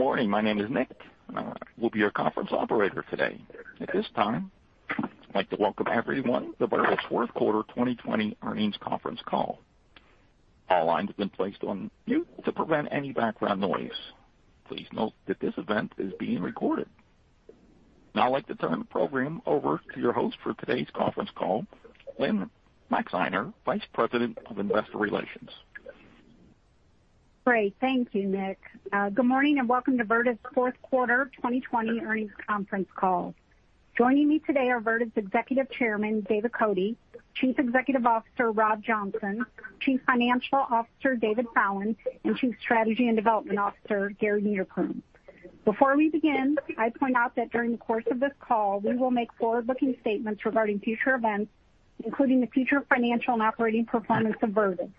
Morning. My name is Nick. I will be your conference operator today. At this time, I'd like to welcome everyone to Vertiv's fourth quarter 2020 earnings conference call. All lines have been placed on mute to prevent any background noise. Please note that this event is being recorded. Now I'd like to turn the program over to your host for today's conference call, Lynne Maxeiner, Vice President of Investor Relations. Great. Thank you, Nick. Good morning, and welcome to Vertiv's fourth quarter 2020 earnings conference call. Joining me today are Vertiv's Executive Chairman, David Cote; Chief Executive Officer, Rob Johnson; Chief Financial Officer, David Fallon; and Chief Strategy and Development Officer, Gary Niederpruem. Before we begin, I point out that during the course of this call, we will make forward-looking statements regarding future events, including the future financial and operating performance of Vertiv.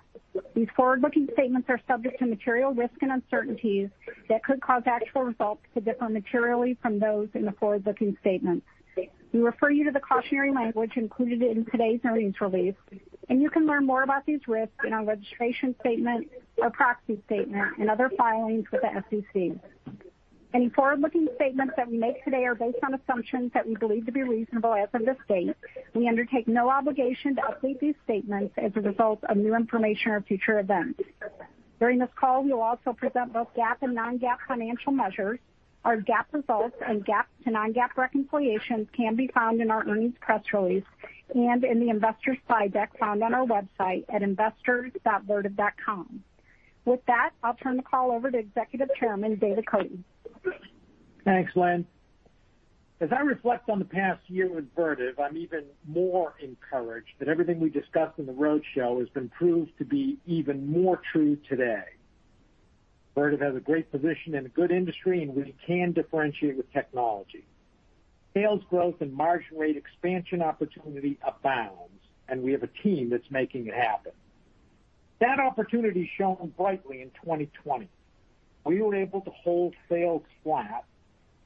These forward-looking statements are subject to material risks and uncertainties that could cause actual results to differ materially from those in the forward-looking statements. We refer you to the cautionary language included in today's earnings release, and you can learn more about these risks in our registration statement, our proxy statement, and other filings with the SEC. Any forward-looking statements that we make today are based on assumptions that we believe to be reasonable as of this date. We undertake no obligation to update these statements as a result of new information or future events. During this call, we will also present both GAAP and non-GAAP financial measures. Our GAAP results and GAAP to non-GAAP reconciliations can be found in our earnings press release and in the investors slide deck found on our website at investors.vertiv.com. With that, I'll turn the call over to Executive Chairman, David Cote. Thanks, Lynne. As I reflect on the past year with Vertiv, I'm even more encouraged that everything we discussed in the roadshow has been proved to be even more true today. Vertiv has a great position in a good industry, and we can differentiate with technology. Sales growth and margin rate expansion opportunity abounds, and we have a team that's making it happen. That opportunity shone brightly in 2020. We were able to hold sales flat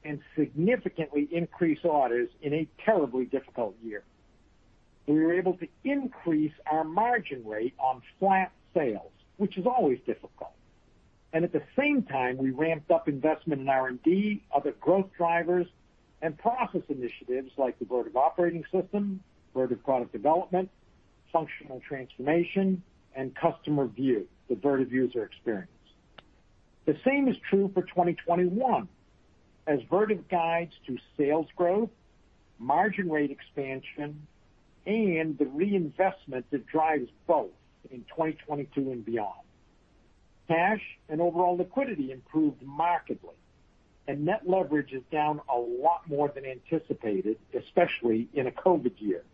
and significantly increase orders in a terribly difficult year. We were able to increase our margin rate on flat sales, which is always difficult. At the same time, we ramped up investment in R&D, other growth drivers, and process initiatives like the Vertiv Operating System, Vertiv Product Development, Functional Transformation, and Vertiv VUE, the Vertiv User Experience. The same is true for 2021. As Vertiv guides to sales growth, margin rate expansion, and the reinvestment that drives both in 2022 and beyond. Cash and overall liquidity improved markedly, and net leverage is down a lot more than anticipated, especially in a COVID year.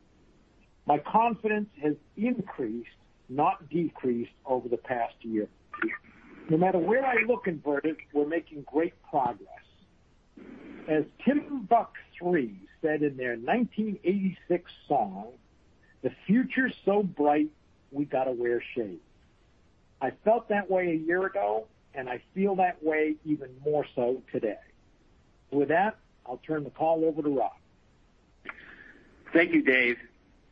My confidence has increased, not decreased, over the past year. No matter where I look in Vertiv, we're making great progress. As Timbuk 3 said in their 1986 song, "The future's so bright, we gotta wear shade." I felt that way a year ago, and I feel that way even more so today. With that, I'll turn the call over to Rob. Thank you, Dave,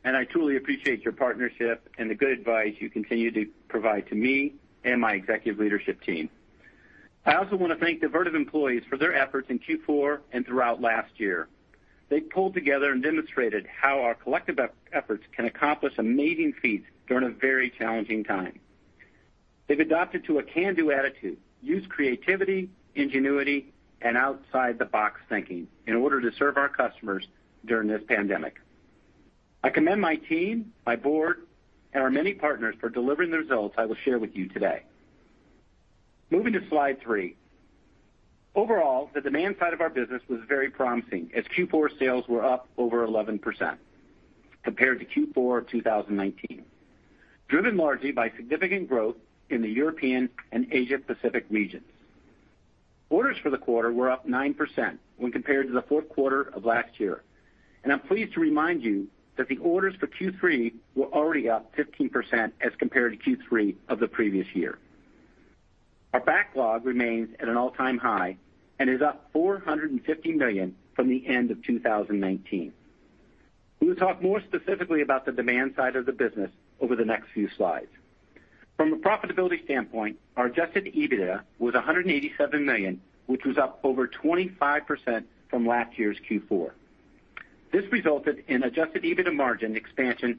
and I truly appreciate your partnership and the good advice you continue to provide to me and my executive leadership team. I also want to thank the Vertiv employees for their efforts in Q4 and throughout last year. They pulled together and demonstrated how our collective efforts can accomplish amazing feats during a very challenging time. They've adopted to a can-do attitude, used creativity, ingenuity, and outside-the-box thinking in order to serve our customers during this pandemic. I commend my team, my board, and our many partners for delivering the results I will share with you today. Moving to slide three. Overall, the demand side of our business was very promising, as Q4 sales were up over 11% compared to Q4 2019, driven largely by significant growth in the European and Asia Pacific regions. Orders for the quarter were up 9% when compared to the fourth quarter of last year. I'm pleased to remind you that the orders for Q3 were already up 15% as compared to Q3 of the previous year. Our backlog remains at an all-time high and is up $450 million from the end of 2019. We will talk more specifically about the demand side of the business over the next few slides. From a profitability standpoint, our adjusted EBITDA was $187 million, which was up over 25% from last year's Q4. This resulted in adjusted EBITDA margin expansion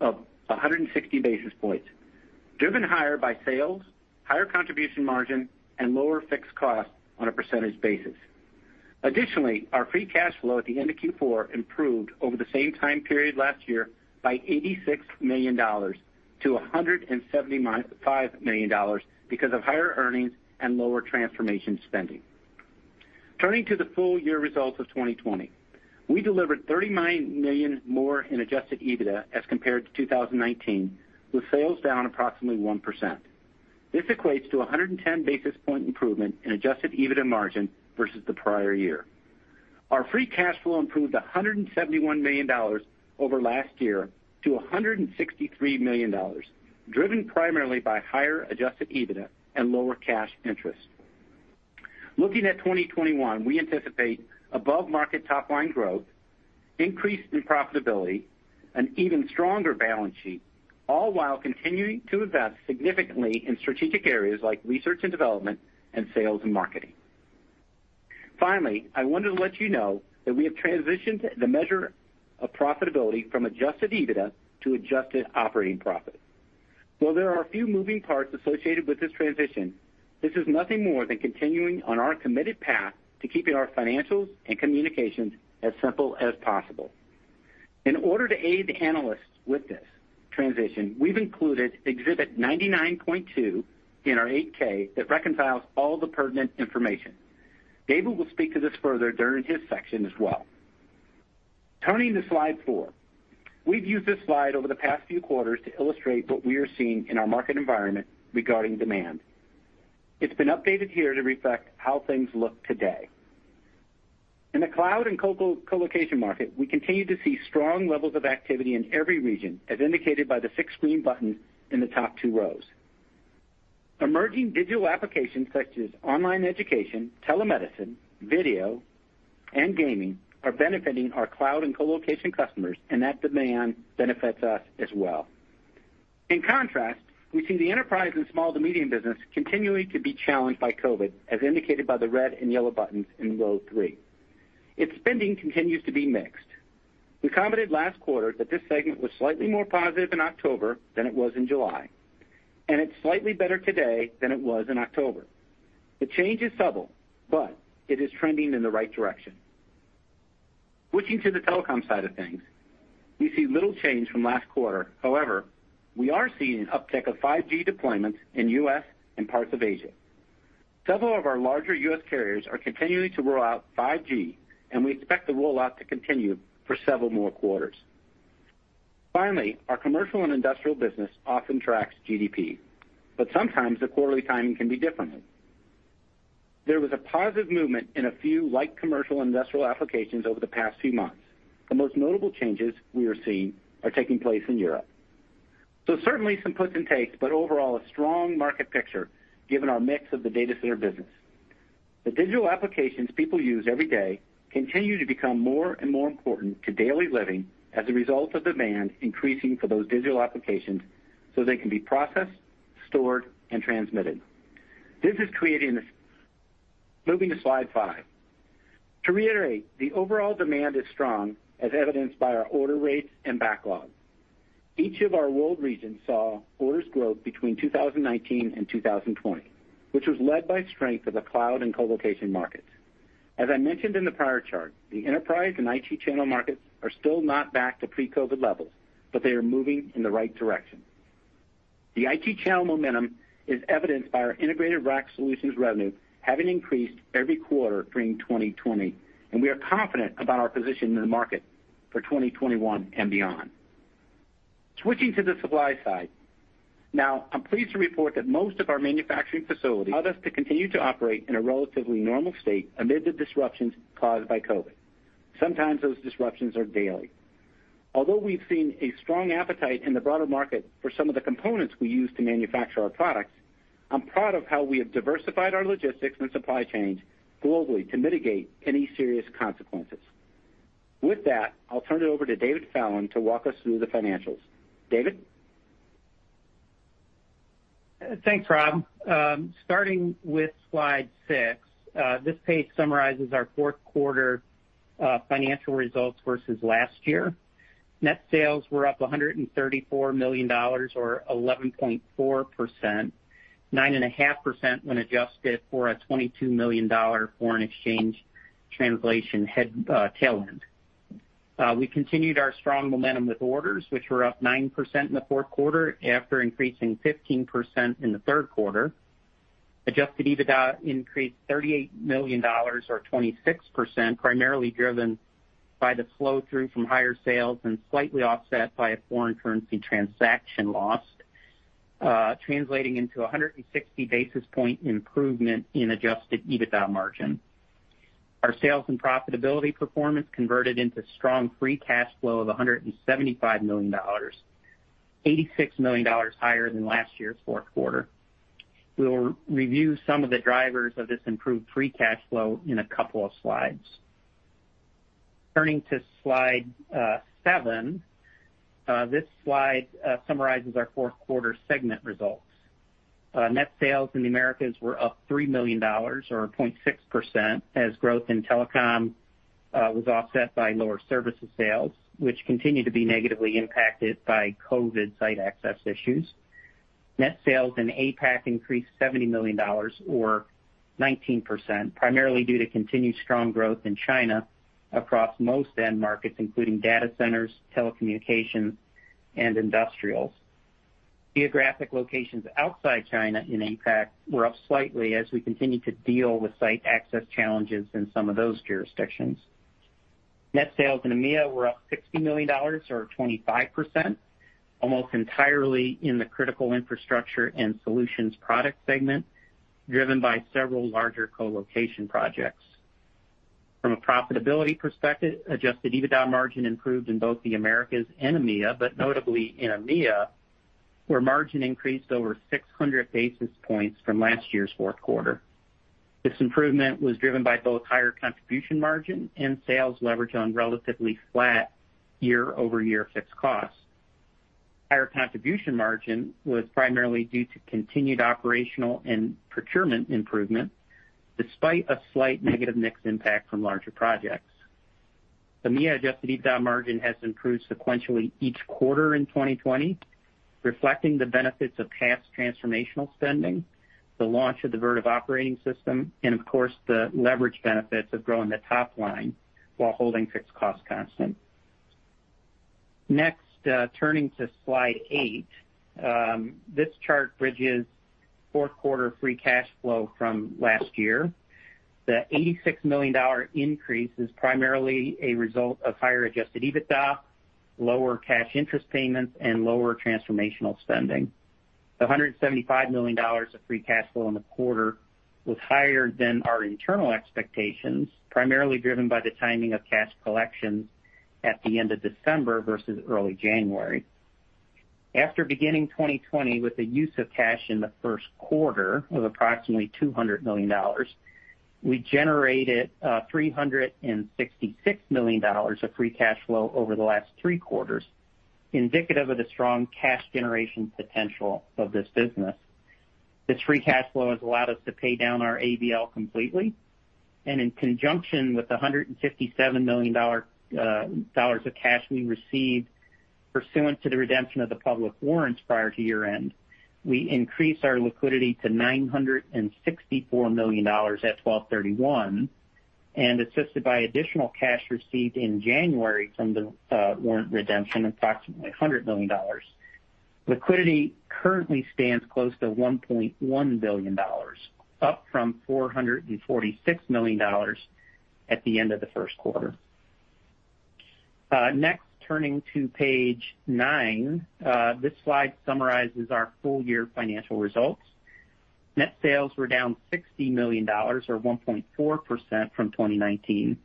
of 160 basis points, driven higher by sales, higher contribution margin, and lower fixed costs on a percentage basis. Additionally, our free cash flow at the end of Q4 improved over the same time period last year by $86 million-$175 million because of higher earnings and lower transformation spending. Turning to the full-year results of 2020. We delivered $39 million more in adjusted EBITDA as compared to 2019, with sales down approximately 1%. This equates to 110 basis point improvement in adjusted EBITDA margin versus the prior year. Our free cash flow improved $171 million over last year to $163 million, driven primarily by higher adjusted EBITDA and lower cash interest. Looking at 2021, we anticipate above-market top-line growth Increase in profitability, an even stronger balance sheet, all while continuing to invest significantly in strategic areas like research and development and sales and marketing. Finally, I wanted to let you know that we have transitioned the measure of profitability from adjusted EBITDA to adjusted operating profit. While there are a few moving parts associated with this transition, this is nothing more than continuing on our committed path to keeping our financials and communications as simple as possible. In order to aid analysts with this transition, we've included Exhibit 99.2 in our 8-K that reconciles all the pertinent information. David will speak to this further during his section as well. Turning to slide four. We've used this slide over the past few quarters to illustrate what we are seeing in our market environment regarding demand. It's been updated here to reflect how things look today. In the cloud and colocation market, we continue to see strong levels of activity in every region, as indicated by the six green buttons in the top two rows. Emerging digital applications such as online education, telemedicine, video, and gaming are benefiting our cloud and colocation customers, and that demand benefits us as well. In contrast, we see the enterprise and small to medium business continuing to be challenged by COVID, as indicated by the red and yellow buttons in row three. Its spending continues to be mixed. We commented last quarter that this segment was slightly more positive in October than it was in July, and it's slightly better today than it was in October. The change is subtle, but it is trending in the right direction. Switching to the telecom side of things. We see little change from last quarter. We are seeing an uptick of 5G deployments in U.S. and parts of Asia. Several of our larger U.S. carriers are continuing to roll out 5G, and we expect the rollout to continue for several more quarters. Our commercial and industrial business often tracks GDP, but sometimes the quarterly timing can be different. There was a positive movement in a few light commercial industrial applications over the past few months. The most notable changes we are seeing are taking place in Europe. Certainly some puts and takes, but overall a strong market picture given our mix of the data center business. The digital applications people use every day continue to become more and more important to daily living as a result of demand increasing for those digital applications so they can be processed, stored, and transmitted. Moving to slide five. To reiterate, the overall demand is strong, as evidenced by our order rates and backlog. Each of our world regions saw orders grow between 2019 and 2020, which was led by strength of the cloud and colocation markets. As I mentioned in the prior chart, the enterprise and IT channel markets are still not back to pre-COVID levels, but they are moving in the right direction. The IT channel momentum is evidenced by our integrated rack solutions revenue having increased every quarter during 2020, and we are confident about our position in the market for 2021 and beyond. Switching to the supply side. Now, I'm pleased to report that most of our manufacturing facilities allowed us to continue to operate in a relatively normal state amid the disruptions caused by COVID. Sometimes those disruptions are daily. Although we've seen a strong appetite in the broader market for some of the components we use to manufacture our products, I'm proud of how we have diversified our logistics and supply chains globally to mitigate any serious consequences. With that, I'll turn it over to David Fallon to walk us through the financials. David? Thanks, Rob. Starting with slide six. This page summarizes our fourth quarter financial results versus last year. Net sales were up $134 million, or 11.4%, 9.5% when adjusted for a $22 million foreign exchange translation tailwind. We continued our strong momentum with orders, which were up 9% in the fourth quarter after increasing 15% in the third quarter. Adjusted EBITDA increased $38 million, or 26%, primarily driven by the flow-through from higher sales and slightly offset by a foreign currency transaction loss, translating into a 160 basis point improvement in Adjusted EBITDA margin. Our sales and profitability performance converted into strong free cash flow of $175 million, $86 million higher than last year's fourth quarter. We will review some of the drivers of this improved free cash flow in a couple of slides. Turning to slide seven. This slide summarizes our fourth quarter segment results. Net sales in the Americas were up $3 million, or 0.6%, as growth in telecom was offset by lower services sales, which continued to be negatively impacted by COVID site access issues. Net sales in APAC increased $70 million, or 19%, primarily due to continued strong growth in China across most end markets, including data centers, telecommunications, and industrials. Geographic locations outside China in APAC were up slightly as we continued to deal with site access challenges in some of those jurisdictions. Net sales in EMEA were up $60 million, or 25%, almost entirely in the Critical Infrastructure and Solutions product segment, driven by several larger colocation projects. From a profitability perspective, adjusted EBITDA margin improved in both the Americas and EMEA, notably in EMEA, where margin increased over 600 basis points from last year's fourth quarter. This improvement was driven by both higher contribution margin and sales leverage on relatively flat year-over-year fixed costs. Higher contribution margin was primarily due to continued operational and procurement improvements, despite a slight negative mix impact from larger projects. The EMEA adjusted EBITDA margin has improved sequentially each quarter in 2020, reflecting the benefits of past transformational spending, the launch of the Vertiv Operating System, of course, the leverage benefits of growing the top line while holding fixed costs constant. Turning to slide eight. This chart bridges fourth quarter free cash flow from last year. The $86 million increase is primarily a result of higher adjusted EBITDA, lower cash interest payments, and lower transformational spending. The $175 million of free cash flow in the quarter was higher than our internal expectations, primarily driven by the timing of cash collections at the end of December versus early January. After beginning 2020 with the use of cash in the first quarter of approximately $200 million, we generated $366 million of free cash flow over the last three quarters, indicative of the strong cash generation potential of this business. This free cash flow has allowed us to pay down our ABL completely, and in conjunction with the $157 million of cash we received pursuant to the redemption of the public warrants prior to year-end, we increased our liquidity to $964 million at 12/31. Assisted by additional cash received in January from the warrant redemption, approximately $100 million, liquidity currently stands close to $1.1 billion, up from $446 million at the end of the first quarter. Next, turning to page nine. This slide summarizes our full year financial results. Net sales were down $60 million or 1.4% from 2019,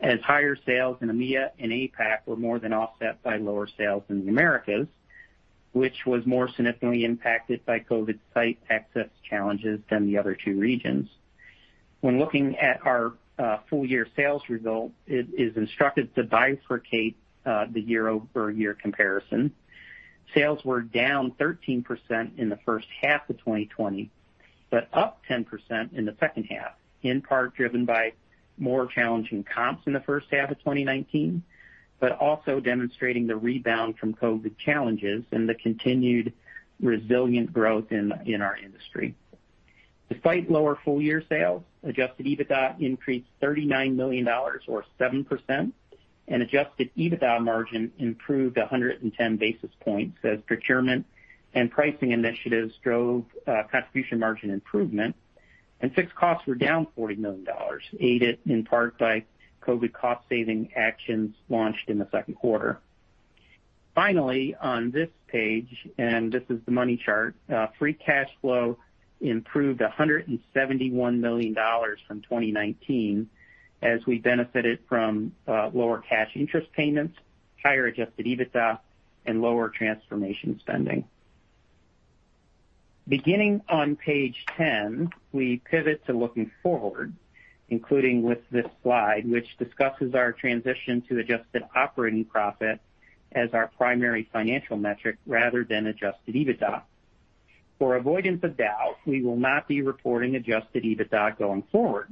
as higher sales in EMEA and APAC were more than offset by lower sales in the Americas, which was more significantly impacted by COVID site access challenges than the other two regions. When looking at our full year sales result, it is instructive to bifurcate the year-over-year comparison. Sales were down 13% in the first half of 2020, but up 10% in the second half, in part driven by more challenging comps in the first half of 2019, but also demonstrating the rebound from COVID challenges and the continued resilient growth in our industry. Despite lower full year sales, adjusted EBITDA increased $39 million or 7%, and adjusted EBITDA margin improved 110 basis points as procurement and pricing initiatives drove contribution margin improvement. Fixed costs were down $40 million, aided in part by COVID cost saving actions launched in the second quarter. Finally, on this page, and this is the money chart, free cash flow improved $171 million from 2019 as we benefited from lower cash interest payments, higher adjusted EBITDA, and lower transformation spending. Beginning on page 10, we pivot to looking forward, including with this slide, which discusses our transition to adjusted operating profit as our primary financial metric rather than adjusted EBITDA. For avoidance of doubt, we will not be reporting adjusted EBITDA going forward.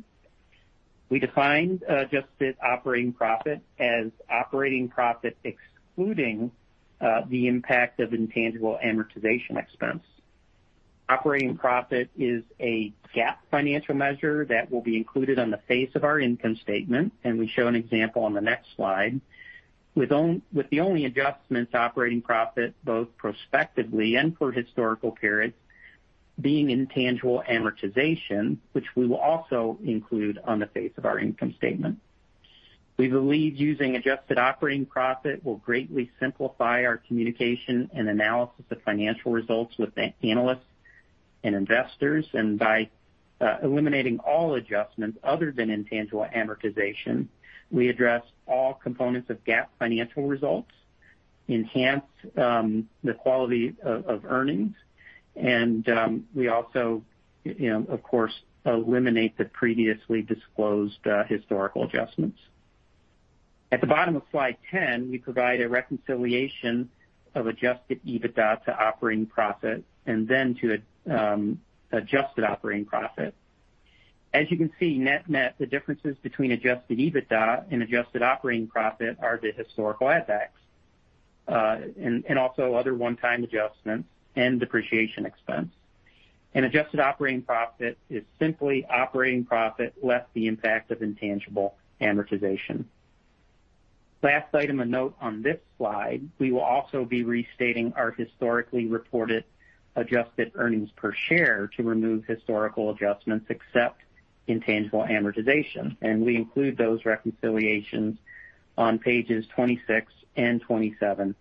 We defined adjusted operating profit as operating profit excluding the impact of intangible amortization expense. Operating profit is a GAAP financial measure that will be included on the face of our income statement, and we show an example on the next slide. With the only adjustments to operating profit both prospectively and for historical periods being intangible amortization, which we will also include on the face of our income statement. We believe using adjusted operating profit will greatly simplify our communication and analysis of financial results with analysts and investors. By eliminating all adjustments other than intangible amortization, we address all components of GAAP financial results, enhance the quality of earnings, and we also, of course, eliminate the previously disclosed historical adjustments. At the bottom of slide 10, we provide a reconciliation of adjusted EBITDA to operating profit and then to adjusted operating profit. As you can see, net the differences between adjusted EBITDA and adjusted operating profit are the historical add-backs, and also other one-time adjustments and depreciation expense. Adjusted operating profit is simply operating profit less the impact of intangible amortization. Last item of note on this slide, we will also be restating our historically reported adjusted earnings per share to remove historical adjustments except intangible amortization, and we include those reconciliations on pages 26 and 27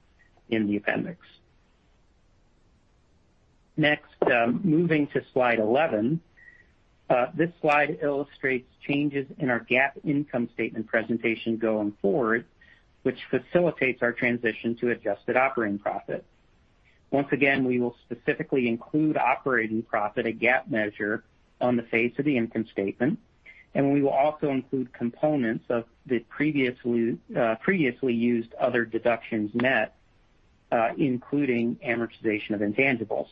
in the appendix. Moving to slide 11. This slide illustrates changes in our GAAP income statement presentation going forward, which facilitates our transition to adjusted operating profit. Once again, we will specifically include operating profit, a GAAP measure, on the face of the income statement, and we will also include components of the previously used other deductions net, including amortization of intangibles.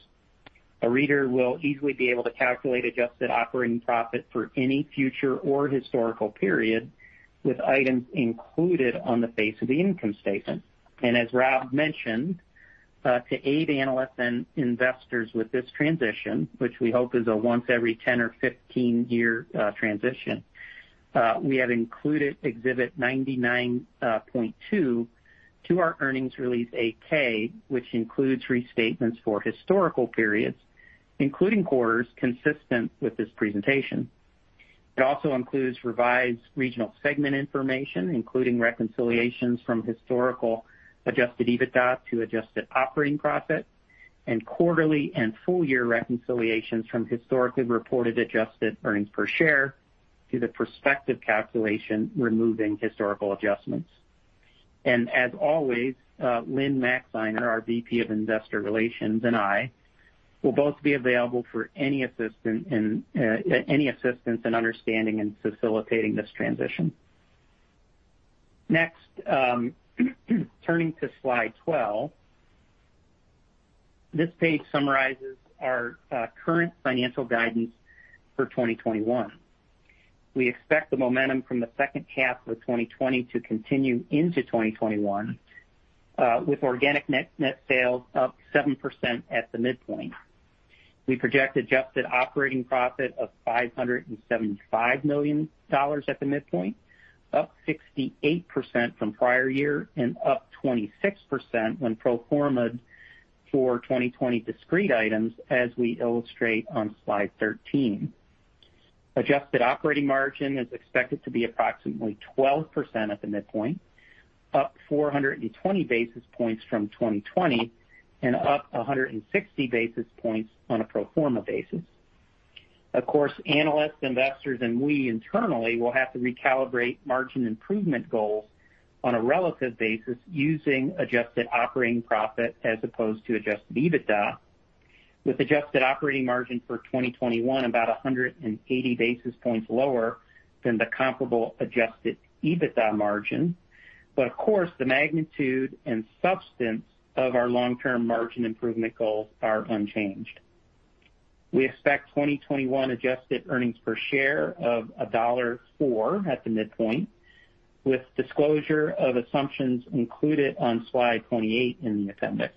A reader will easily be able to calculate adjusted operating profit for any future or historical period with items included on the face of the income statement. As Rob mentioned, to aid analysts and investors with this transition, which we hope is a once every 10 or 15 year transition, we have included exhibit 99.2 to our earnings release 8-K, which includes restatements for historical periods, including quarters consistent with this presentation. It also includes revised regional segment information, including reconciliations from historical adjusted EBITDA to adjusted operating profit, and quarterly and full year reconciliations from historically reported adjusted earnings per share to the prospective calculation removing historical adjustments. As always, Lynne Maxeiner, our VP of Investor Relations, and I will both be available for any assistance in understanding and facilitating this transition. Next, turning to slide 12. This page summarizes our current financial guidance for 2021. We expect the momentum from the second half of 2020 to continue into 2021, with organic net sales up 7% at the midpoint. We project adjusted operating profit of $575 million at the midpoint, up 68% from prior year and up 26% when pro forma-ed for 2020 discrete items, as we illustrate on slide 13. Adjusted operating margin is expected to be approximately 12% at the midpoint, up 420 basis points from 2020 and up 160 basis points on a pro forma basis. Of course, analysts, investors, and we internally will have to recalibrate margin improvement goals on a relative basis using adjusted operating profit as opposed to adjusted EBITDA, with adjusted operating margin for 2021 about 180 basis points lower than the comparable adjusted EBITDA margin. Of course, the magnitude and substance of our long-term margin improvement goals are unchanged. We expect 2021 adjusted earnings per share of $1.04 at the midpoint, with disclosure of assumptions included on slide 28 in the appendix.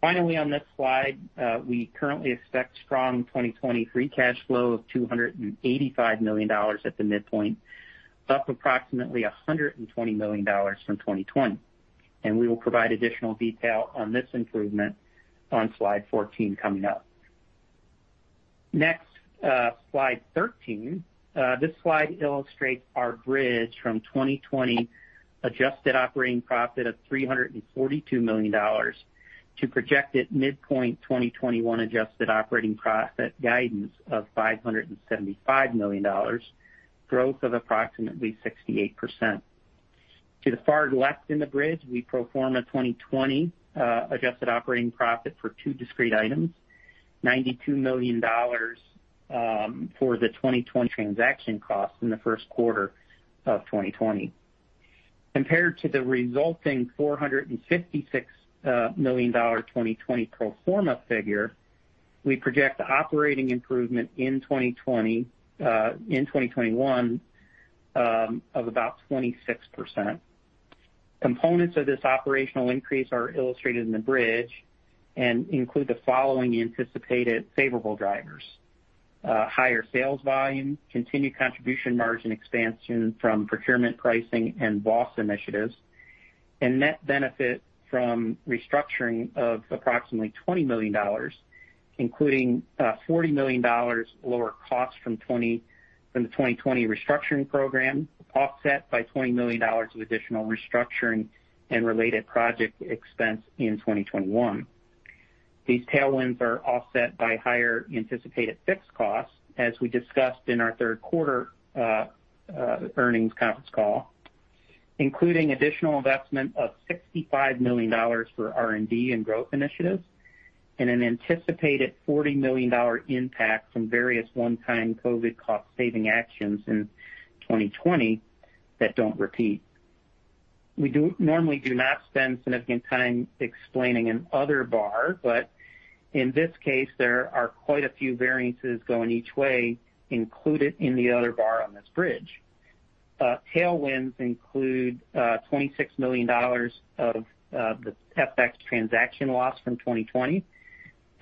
Finally, on this slide, we currently expect strong 2020 free cash flow of $285 million at the midpoint, up approximately $120 million from 2020. We will provide additional detail on this improvement on slide 14 coming up. Next, slide 13. This slide illustrates our bridge from 2020 adjusted operating profit of $342 million to projected midpoint 2021 adjusted operating profit guidance of $575 million, growth of approximately 68%. To the far left in the bridge, we pro forma 2020 adjusted operating profit for two discrete items, $92 million for the 2020 transaction cost in the first quarter of 2020. Compared to the resulting $456 million 2020 pro forma figure, we project operating improvement in 2021 of about 26%. Components of this operational increase are illustrated in the bridge and include the following anticipated favorable drivers. Higher sales volume, continued contribution margin expansion from procurement pricing and VOS initiatives, and net benefit from restructuring of approximately $20 million, including $40 million lower cost from the 2020 restructuring program, offset by $20 million of additional restructuring and related project expense in 2021. These tailwinds are offset by higher anticipated fixed costs, as we discussed in our third quarter earnings conference call, including additional investment of $65 million for R&D and growth initiatives and an anticipated $40 million impact from various one-time COVID cost-saving actions in 2020 that don't repeat. We normally do not spend significant time explaining an other bar, but in this case, there are quite a few variances going each way included in the other bar on this bridge. Tailwinds include $26 million of the FX transaction loss from 2020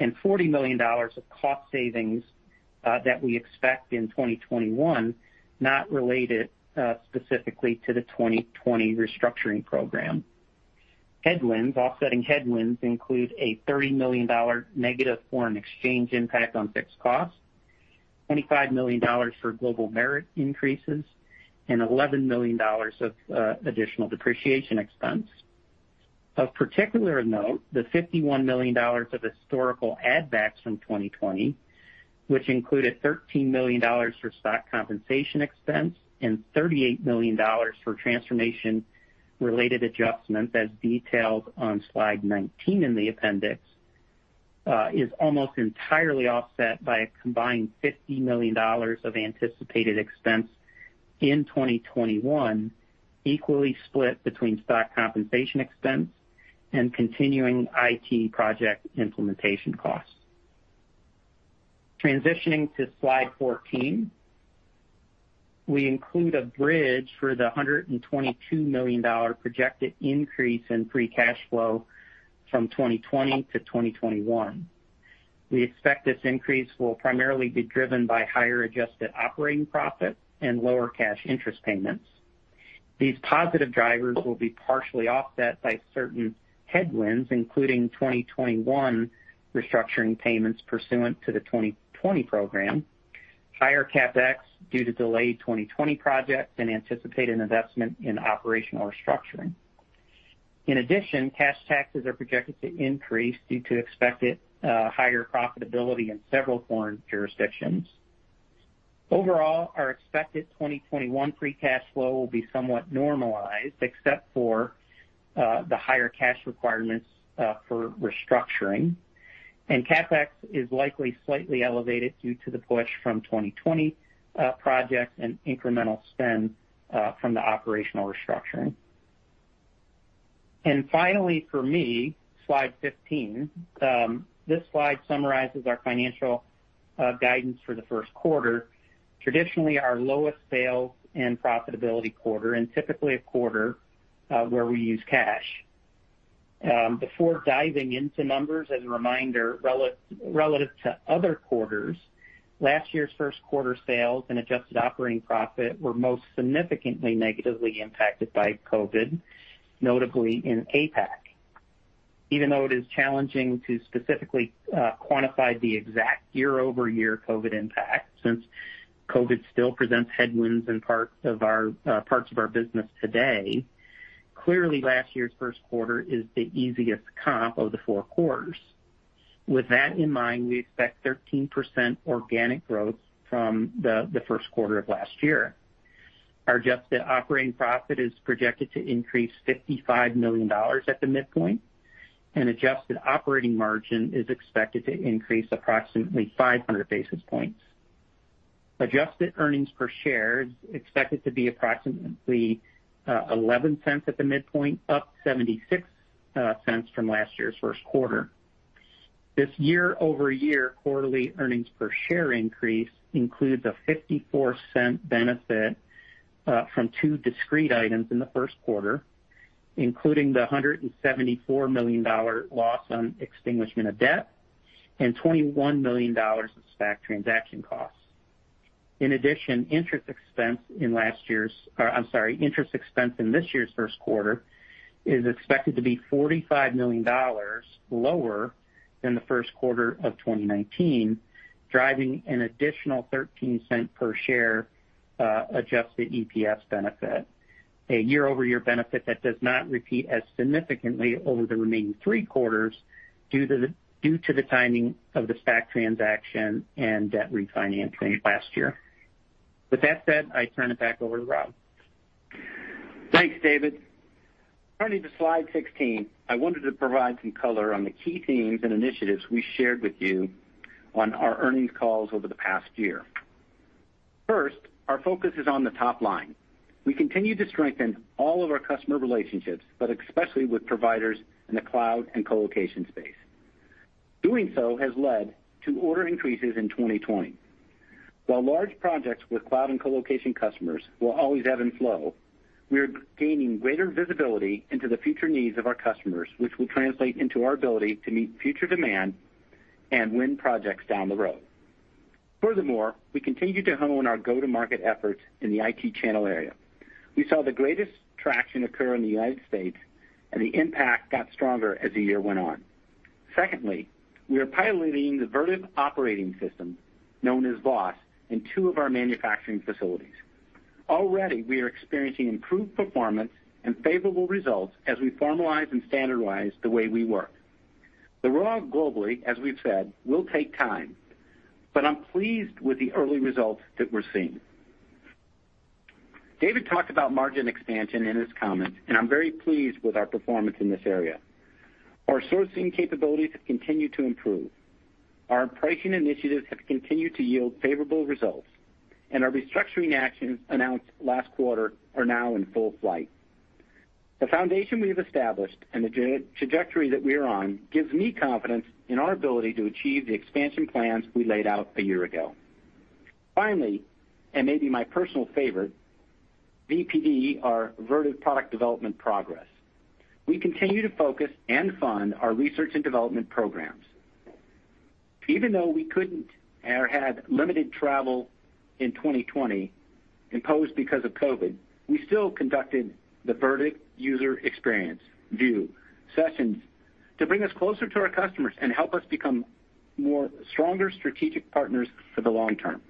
and $40 million of cost savings that we expect in 2021, not related specifically to the 2020 restructuring program. Headwinds. Offsetting headwinds include a $30 million negative foreign exchange impact on fixed costs, $25 million for global merit increases, and $11 million of additional depreciation expense. Of particular note, the $51 million of historical add-backs from 2020 which included $13 million for stock compensation expense and $38 million for transformation-related adjustments as detailed on slide 19 in the appendix, is almost entirely offset by a combined $50 million of anticipated expense in 2021, equally split between stock compensation expense and continuing IT project implementation costs. Transitioning to slide 14. We include a bridge for the $122 million projected increase in free cash flow from 2020-2021. We expect this increase will primarily be driven by higher adjusted operating profit and lower cash interest payments. These positive drivers will be partially offset by certain headwinds, including 2021 restructuring payments pursuant to the 2020 program, higher CapEx due to delayed 2020 projects, and anticipated investment in operational restructuring. Cash taxes are projected to increase due to expected higher profitability in several foreign jurisdictions. Our expected 2021 free cash flow will be somewhat normalized, except for the higher cash requirements for restructuring, and CapEx is likely slightly elevated due to the push from 2020 projects and incremental spend from the operational restructuring. Finally for me, slide 15. This slide summarizes our financial guidance for the first quarter, traditionally our lowest sales and profitability quarter, and typically a quarter where we use cash. Before diving into numbers, as a reminder, relative to other quarters, last year's first quarter sales and adjusted operating profit were most significantly negatively impacted by COVID, notably in APAC. Even though it is challenging to specifically quantify the exact year-over-year COVID impact, since COVID still presents headwinds in parts of our business today, clearly last year's first quarter is the easiest comp of the four quarters. With that in mind, we expect 13% organic growth from the first quarter of last year. Our adjusted operating profit is projected to increase $55 million at the midpoint, and adjusted operating margin is expected to increase approximately 500 basis points. Adjusted earnings per share is expected to be approximately $0.11 at the midpoint, up $0.76 from last year's first quarter. This year-over-year quarterly earnings per share increase includes a $0.54 benefit from two discrete items in the first quarter, including the $174 million loss on extinguishment of debt and $21 million of SPAC transaction costs. In addition, interest expense in this year's first quarter is expected to be $45 million lower than the first quarter of 2019, driving an additional $0.13 per share adjusted EPS benefit. A year-over-year benefit that does not repeat as significantly over the remaining three quarters due to the timing of the SPAC transaction and debt refinancing last year. With that said, I turn it back over to Rob. Thanks, David. Turning to slide 16, I wanted to provide some color on the key themes and initiatives we shared with you on our earnings calls over the past year. First, our focus is on the top line. We continue to strengthen all of our customer relationships, but especially with providers in the cloud and colocation space. Doing so has led to order increases in 2020. While large projects with cloud and colocation customers will always ebb and flow, we are gaining greater visibility into the future needs of our customers, which will translate into our ability to meet future demand and win projects down the road. Furthermore, we continue to hone our go-to-market efforts in the IT channel area. We saw the greatest traction occur in the U.S., and the impact got stronger as the year went on. Secondly, we are piloting the Vertiv Operating System, known as VOS, in two of our manufacturing facilities. Already, we are experiencing improved performance and favorable results as we formalize and standardize the way we work. The rollout globally, as we've said, will take time, but I'm pleased with the early results that we're seeing. David talked about margin expansion in his comments, and I'm very pleased with our performance in this area. Our sourcing capabilities have continued to improve. Our pricing initiatives have continued to yield favorable results. Our restructuring actions announced last quarter are now in full flight. The foundation we have established and the trajectory that we are on gives me confidence in our ability to achieve the expansion plans we laid out a year ago. Finally, and maybe my personal favorite, VPD, our Vertiv Product Development progress. We continue to focus and fund our R&D programs. Even though we couldn't or had limited travel in 2020 imposed because of COVID, we still conducted the Vertiv User Experience, VUE, sessions to bring us closer to our customers and help us become more stronger strategic partners for the long term.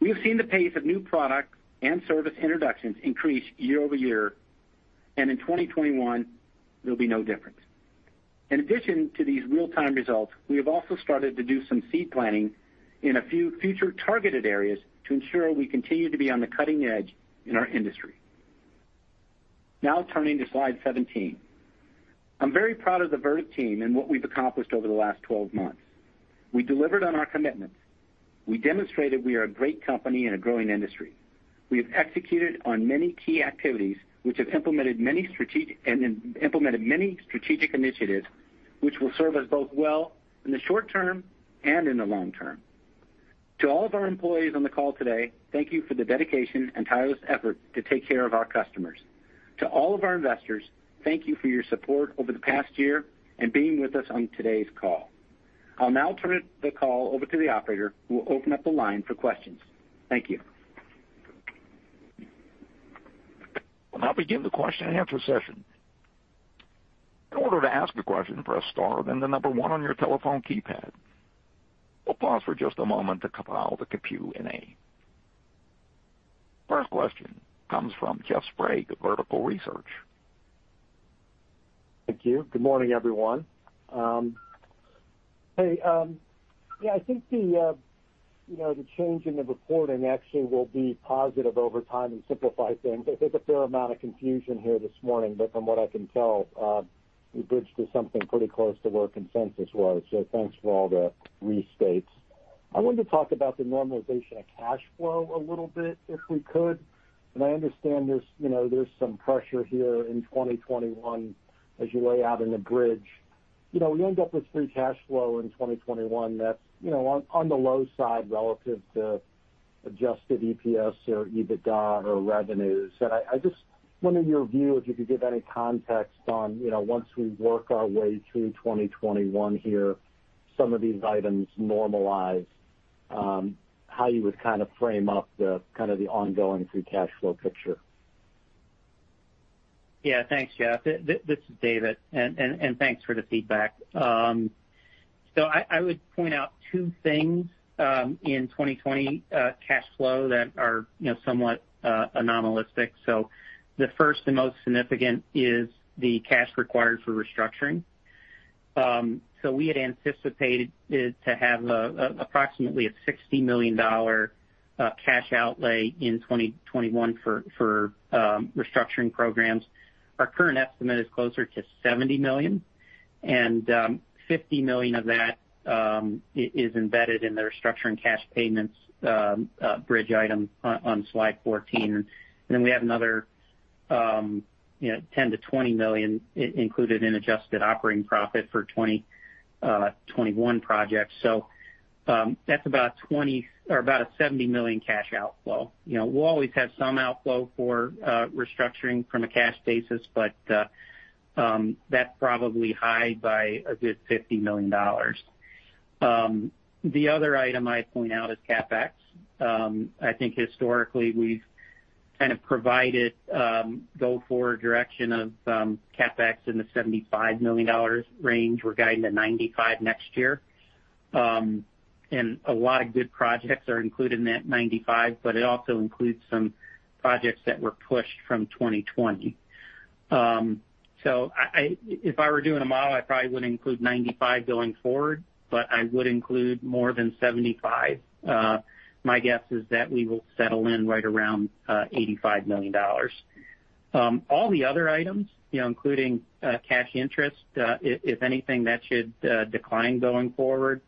We have seen the pace of new product and service introductions increase year-over-year, in 2021 there'll be no difference. In addition to these real-time results, we have also started to do some seed planting in a few future targeted areas to ensure we continue to be on the cutting edge in our industry. Turning to slide 17. I'm very proud of the Vertiv team and what we've accomplished over the last 12 months. We delivered on our commitments. We demonstrated we are a great company in a growing industry. We have executed on many key activities and implemented many strategic initiatives, which will serve us both well in the short term and in the long term. To all of our employees on the call today, thank you for the dedication and tireless effort to take care of our customers. To all of our investors, thank you for your support over the past year and being with us on today's call. I'll now turn the call over to the operator, who will open up the line for questions. Thank you. We'll now begin the question and answer session. In order to ask a question, press star, then the number one on your telephone keypad. We'll pause for just a moment to compile the Q&A. First question comes from Jeff Sprague of Vertical Research. Thank you. Good morning, everyone. Yeah, I think the change in the reporting actually will be positive over time and simplify things. I think a fair amount of confusion here this morning, from what I can tell, you bridged to something pretty close to where consensus was. Thanks for all the restates. I wanted to talk about the normalization of cash flow a little bit, if we could. I understand there's some pressure here in 2021 as you lay out in the bridge. We end up with free cash flow in 2021 that's on the low side relative to adjusted EPS or EBITDA or revenues. I just wonder your view, if you could give any context on, once we work our way through 2021 here, some of these items normalize, how you would frame up the ongoing free cash flow picture. Thanks, Jeff. This is David, and thanks for the feedback. I would point out two things in 2020 cash flow that are somewhat anomalistic. The first and most significant is the cash required for restructuring. We had anticipated to have approximately a $60 million cash outlay in 2021 for restructuring programs. Our current estimate is closer to $70 million, and $50 million of that is embedded in the restructuring cash payments bridge item on slide 14. We have another $10 million-$20 million included in adjusted operating profit for 2021 projects. That's about a $70 million cash outflow. We'll always have some outflow for restructuring from a cash basis, that's probably high by a good $50 million. The other item I'd point out is CapEx. I think historically we've kind of provided go-forward direction of CapEx in the $75 million range. We're guiding to $95 million next year. A lot of good projects are included in that $95 million, but it also includes some projects that were pushed from 2020. If I were doing a model, I probably would include $95 million going forward, but I would include more than $75 million. My guess is that we will settle in right around $85 million. All the other items, including cash interest, if anything, that should decline going forward.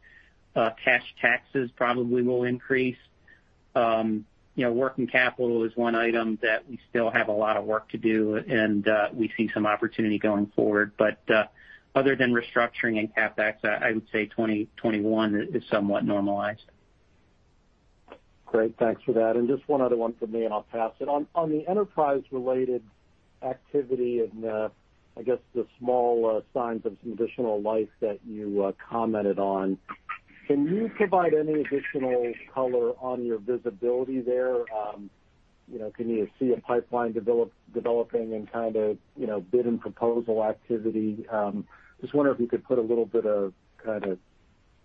Cash taxes probably will increase. Working capital is one item that we still have a lot of work to do, and we see some opportunity going forward. Other than restructuring and CapEx, I would say 2021 is somewhat normalized. Great. Thanks for that. Just one other one from me, and I'll pass it on. On the enterprise-related activity and, I guess the small signs of some additional life that you commented on, can you provide any additional color on your visibility there? Can you see a pipeline developing and kind of bid and proposal activity? Just wonder if you could put a little bit of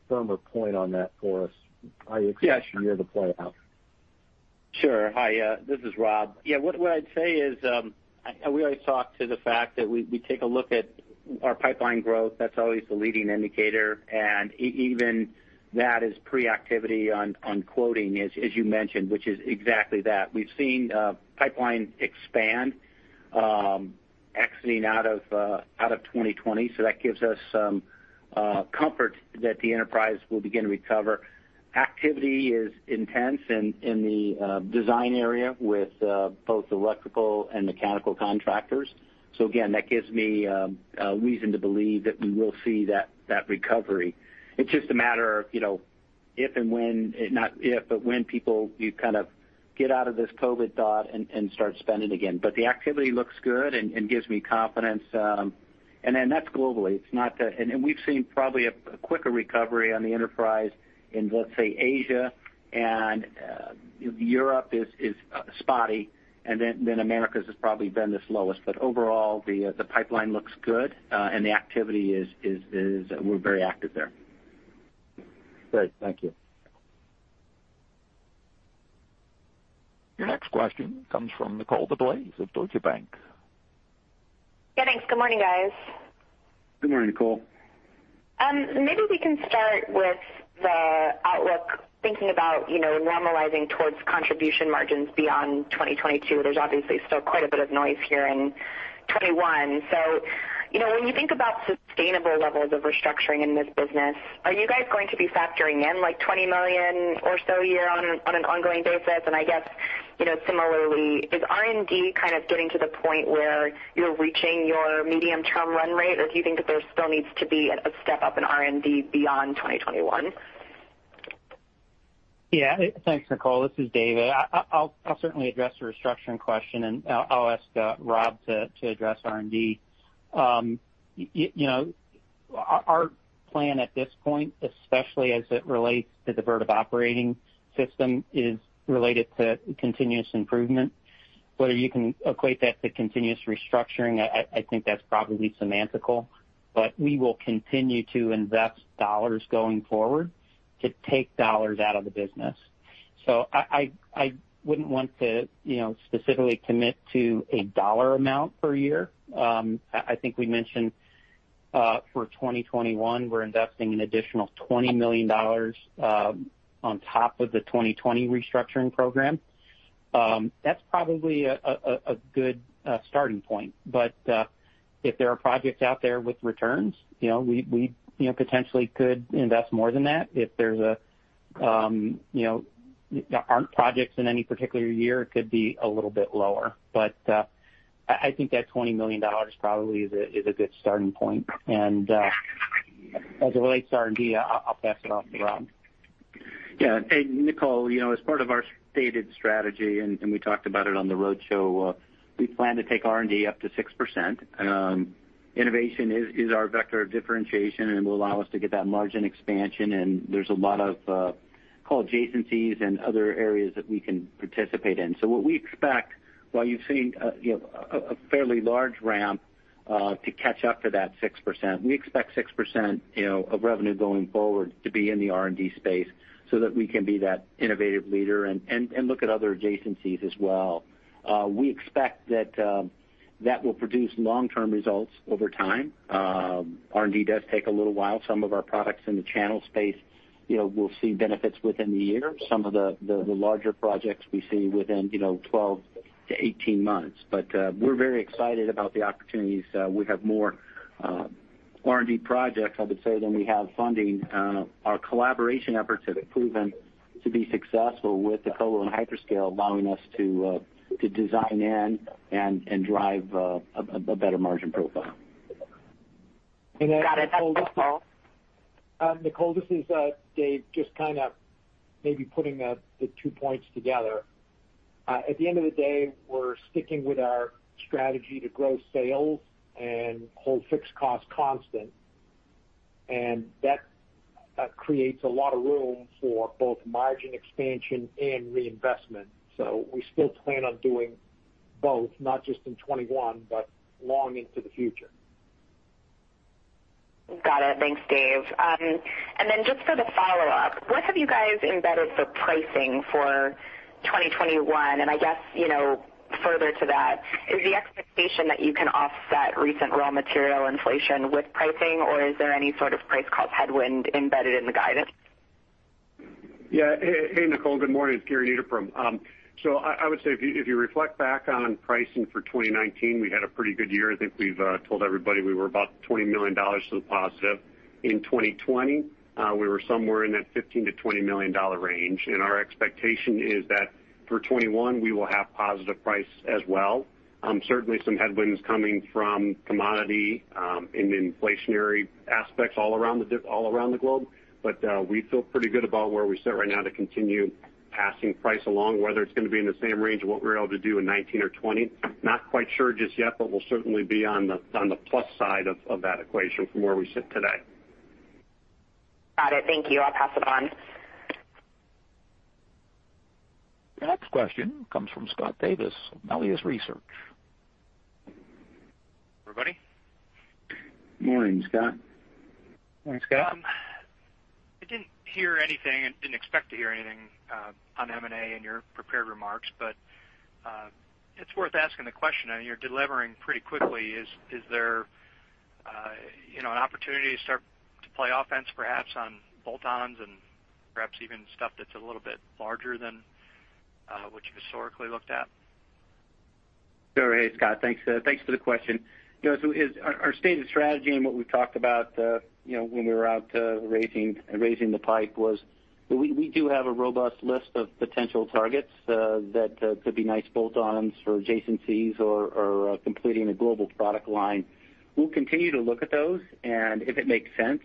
firmer point on that for us, how you expect to see it play out. Sure. Hi, this is Rob. What I’d say is, we always talk to the fact that we take a look at our pipeline growth. That’s always the leading indicator, even that is pre-activity on quoting, as you mentioned, which is exactly that. We’ve seen pipeline expand exiting out of 2020, that gives us some comfort that the enterprise will begin to recover. Activity is intense in the design area with both electrical and mechanical contractors. Again, that gives me reason to believe that we will see that recovery. It’s just a matter of if and when, not if, but when people get out of this COVID thought and start spending again. The activity looks good and gives me confidence. That’s globally. We've seen probably a quicker recovery on the enterprise in, let's say, Asia and Europe is spotty, and then Americas has probably been the slowest. Overall, the pipeline looks good, and the activity is we're very active there. Great. Thank you. Your next question comes from Nicole DeBlase of Deutsche Bank. Yeah, thanks. Good morning, guys. Good morning, Nicole. Maybe we can start with the outlook, thinking about normalizing towards contribution margins beyond 2022. There's obviously still quite a bit of noise here in 2021. When you think about sustainable levels of restructuring in this business, are you guys going to be factoring in $20 million or so a year on an ongoing basis? I guess, similarly, is R&D kind of getting to the point where you're reaching your medium-term run rate, or do you think that there still needs to be a step up in R&D beyond 2021? Thanks, Nicole. This is David. I'll certainly address the restructuring question, and I'll ask Rob to address R&D. Our plan at this point, especially as it relates to the Vertiv Operating System, is related to continuous improvement. Whether you can equate that to continuous restructuring, I think that's probably semantical. We will continue to invest dollars going forward to take dollars out of the business. I wouldn't want to specifically commit to a dollar amount per year. I think we mentioned, for 2021, we're investing an additional $20 million on top of the 2020 restructuring program. That's probably a good starting point. If there are projects out there with returns, we potentially could invest more than that. If there aren't projects in any particular year, it could be a little bit lower. I think that $20 million probably is a good starting point. As it relates to R&D, I'll pass it off to Rob. Nicole, as part of our stated strategy, and we talked about it on the roadshow, we plan to take R&D up to 6%. Innovation is our vector of differentiation and will allow us to get that margin expansion. There's a lot of adjacencies and other areas that we can participate in. What we expect, while you've seen a fairly large ramp to catch up to that 6%, we expect 6% of revenue going forward to be in the R&D space so that we can be that innovative leader and look at other adjacencies as well. We expect that will produce long-term results over time. R&D does take a little while. Some of our products in the channel space, we'll see benefits within the year. Some of the larger projects we see within 12-18 months. We're very excited about the opportunities. We have more R&D projects, I would say, than we have funding. Our collaboration efforts have proven to be successful with EcoStruxure and Hyperscale, allowing us to design in and drive a better margin profile. Got it. That's helpful. Nicole, this is David. Just maybe putting the two points together. At the end of the day, we're sticking with our strategy to grow sales and hold fixed cost constant, and that creates a lot of room for both margin expansion and reinvestment. We still plan on doing both, not just in 2021, but long into the future. Got it. Thanks, Dave. Just for the follow-up, what have you guys embedded for pricing for 2021? I guess, further to that, is the expectation that you can offset recent raw material inflation with pricing, or is there any sort of price called headwind embedded in the guidance? Yeah. Hey, Nicole, good morning. It's Gary Niederpruem. I would say, if you reflect back on pricing for 2019, we had a pretty good year. I think we've told everybody we were about $20 million to the positive. In 2020, we were somewhere in that $15 million-$20 million range, our expectation is that for 2021, we will have positive price as well. Certainly, some headwinds coming from commodity and inflationary aspects all around the globe. We feel pretty good about where we sit right now to continue passing price along, whether it's going to be in the same range of what we were able to do in 2019 or 2020. Not quite sure just yet, but we'll certainly be on the plus side of that equation from where we sit today. Got it. Thank you. I'll pass it on. Your next question comes from Scott Davis, Melius Research. Everybody. Morning, Scott. Morning, Scott. I didn't hear anything and didn't expect to hear anything on M&A in your prepared remarks, but it's worth asking the question. You're delivering pretty quickly. Is there an opportunity to start to play offense, perhaps, on bolt-ons and perhaps even stuff that's a little bit larger than what you've historically looked at? Sure. Hey, Scott. Thanks for the question. Our stated strategy and what we talked about when we were out raising the pipe was we do have a robust list of potential targets that could be nice bolt-ons for adjacencies or completing a global product line. We'll continue to look at those and if it makes sense.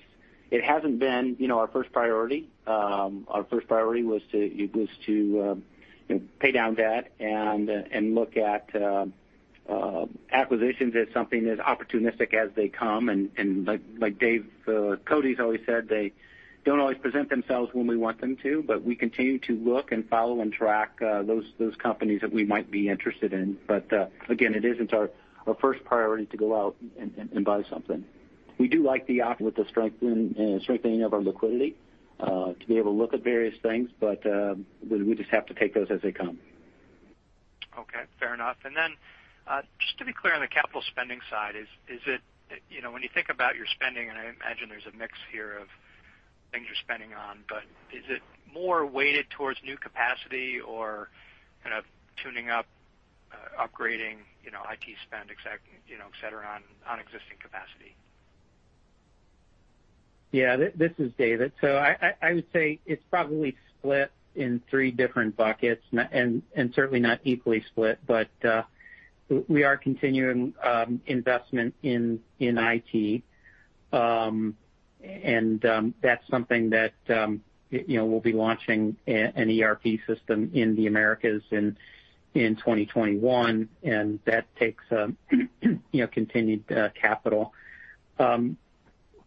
It hasn't been our first priority. Our first priority was to pay down debt and look at acquisitions as something as opportunistic as they come. Like Dave Cote's always said, they don't always present themselves when we want them to, but we continue to look and follow and track those companies that we might be interested in. Again, it isn't our first priority to go out and buy something. We do like the option with the strengthening of our liquidity to be able to look at various things. We just have to take those as they come. Okay, fair enough. Just to be clear, on the capital spending side, when you think about your spending, and I imagine there's a mix here of things you're spending on, but is it more weighted towards new capacity or kind of tuning up, upgrading IT spend, et cetera, on existing capacity? Yeah. This is David. I would say it's probably split in three different buckets and certainly not equally split, but we are continuing investment in IT. That's something that we'll be launching an ERP system in the Americas in 2021, and that takes continued capital.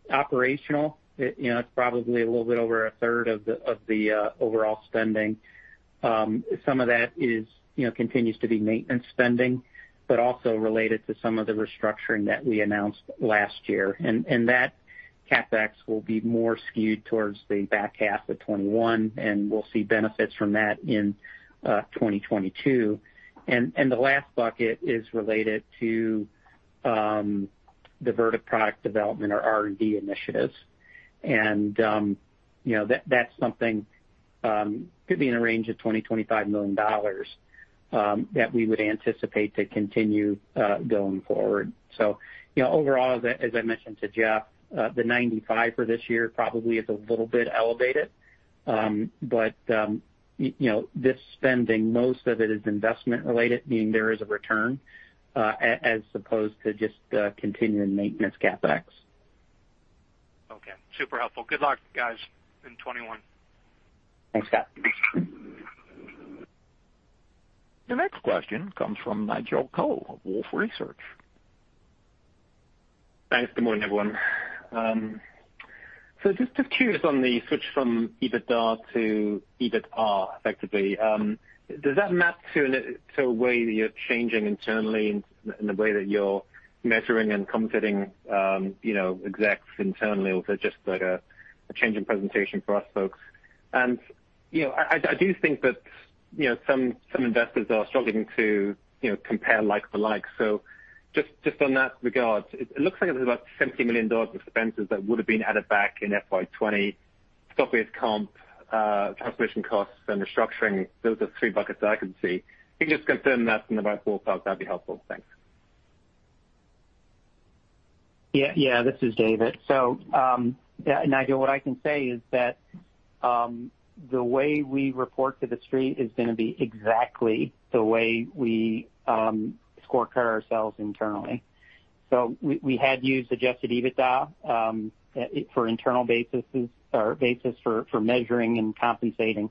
Operational, it's probably a little bit over a third of the overall spending. Some of that continues to be maintenance spending, also related to some of the restructuring that we announced last year. That CapEx will be more skewed towards the back half of 2021, and we'll see benefits from that in 2022. The last bucket is related to the Vertiv Product Development or R&D initiatives. That's something, could be in a range of $20 million-$25 million, that we would anticipate to continue going forward. Overall, as I mentioned to Jeff, the 95 for this year probably is a little bit elevated. This spending, most of it is investment related, meaning there is a return, as opposed to just continuing maintenance CapEx. Okay. Super helpful. Good luck, guys, in 2021. Thanks, Scott. The next question comes from Nigel Coe of Wolfe Research. Thanks. Good morning, everyone. Just curious on the switch from EBITDA to EBITA effectively. Does that map to a way that you're changing internally in the way that you're measuring and compensating execs internally, or is it just like a change in presentation for us folks? I do think that some investors are struggling to compare like for like. Just on that regard, it looks like there's about $70 million of expenses that would've been added back in FY 2020. Stock-based comp, transformation costs, and restructuring. Those are the three buckets that I can see. If you can just confirm that from the right ballpark, that'd be helpful. Thanks. Yeah. This is David. Nigel, what I can say is that the way we report to the Street is going to be exactly the way we scorecard ourselves internally. We had used adjusted EBITDA for internal basis for measuring and compensating,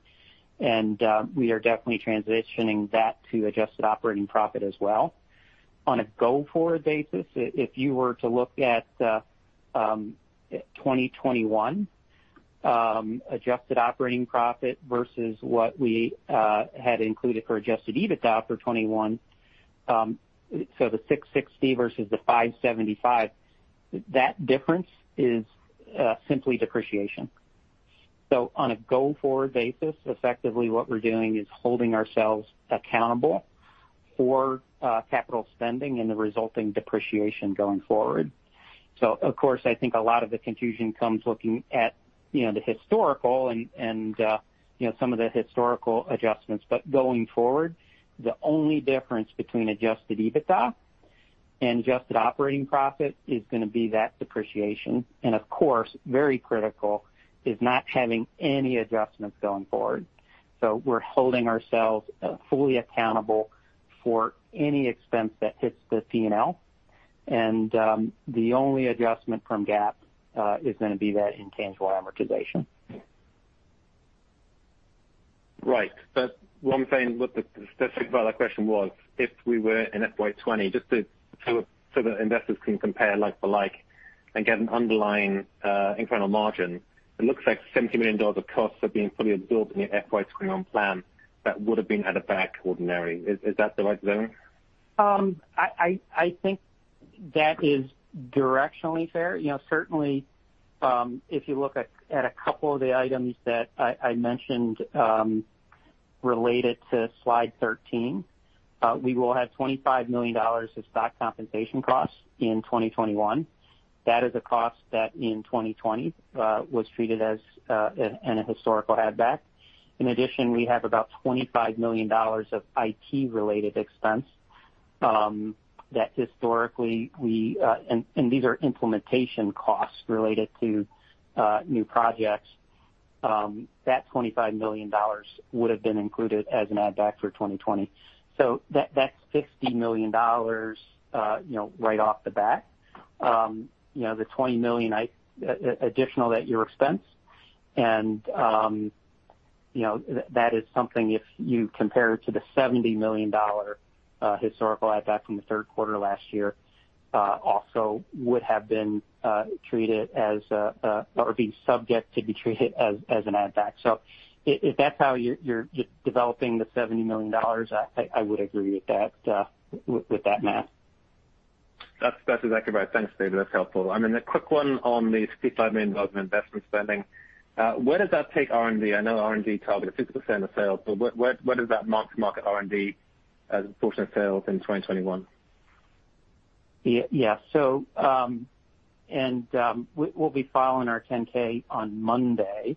and we are definitely transitioning that to adjusted operating profit as well. On a go-forward basis, if you were to look at 2021 adjusted operating profit versus what we had included for adjusted EBITDA for 2021, the $660 versus the $575, that difference is simply depreciation. On a go-forward basis, effectively what we're doing is holding ourselves accountable for capital spending and the resulting depreciation going forward. Of course, I think a lot of the confusion comes looking at the historical and some of the historical adjustments. Going forward, the only difference between adjusted EBITDA and adjusted operating profit is going to be that depreciation. Of course, very critical is not having any adjustments going forward. We're holding ourselves fully accountable for any expense that hits the P&L. The only adjustment from GAAP is going to be that intangible amortization. Right. What I'm saying, what the specific part of the question was, if we were in FY 2020, just so that investors can compare like for like and get an underlying incremental margin, it looks like $70 million of costs are being fully absorbed in your FY 2021 plan that would've been added back ordinary. Is that the right zone? I think that is directionally fair. Certainly, if you look at a couple of the items that I mentioned related to slide 13, we will have $25 million of stock compensation costs in 2021. That is a cost that in 2020 was treated as a historical add-back. In addition, we have about $25 million of IT-related expense. These are implementation costs related to new projects. That $25 million would've been included as an add-back for 2020. That's $50 million right off the bat. The $20 million additional that you expense, and that is something if you compare it to the $70 million historical add-back from the third quarter last year, also would have been treated as, or be subject to be treated as an add-back. If that's how you're developing the $70 million, I would agree with that math. That's exactly right. Thanks, David. That's helpful. A quick one on the $65 million of investment spending. Where does that take R&D? I know R&D target is 6% of sales, but where does that mark-to-market R&D as a portion of sales in 2021? Yeah. We'll be filing our 10-K on Monday.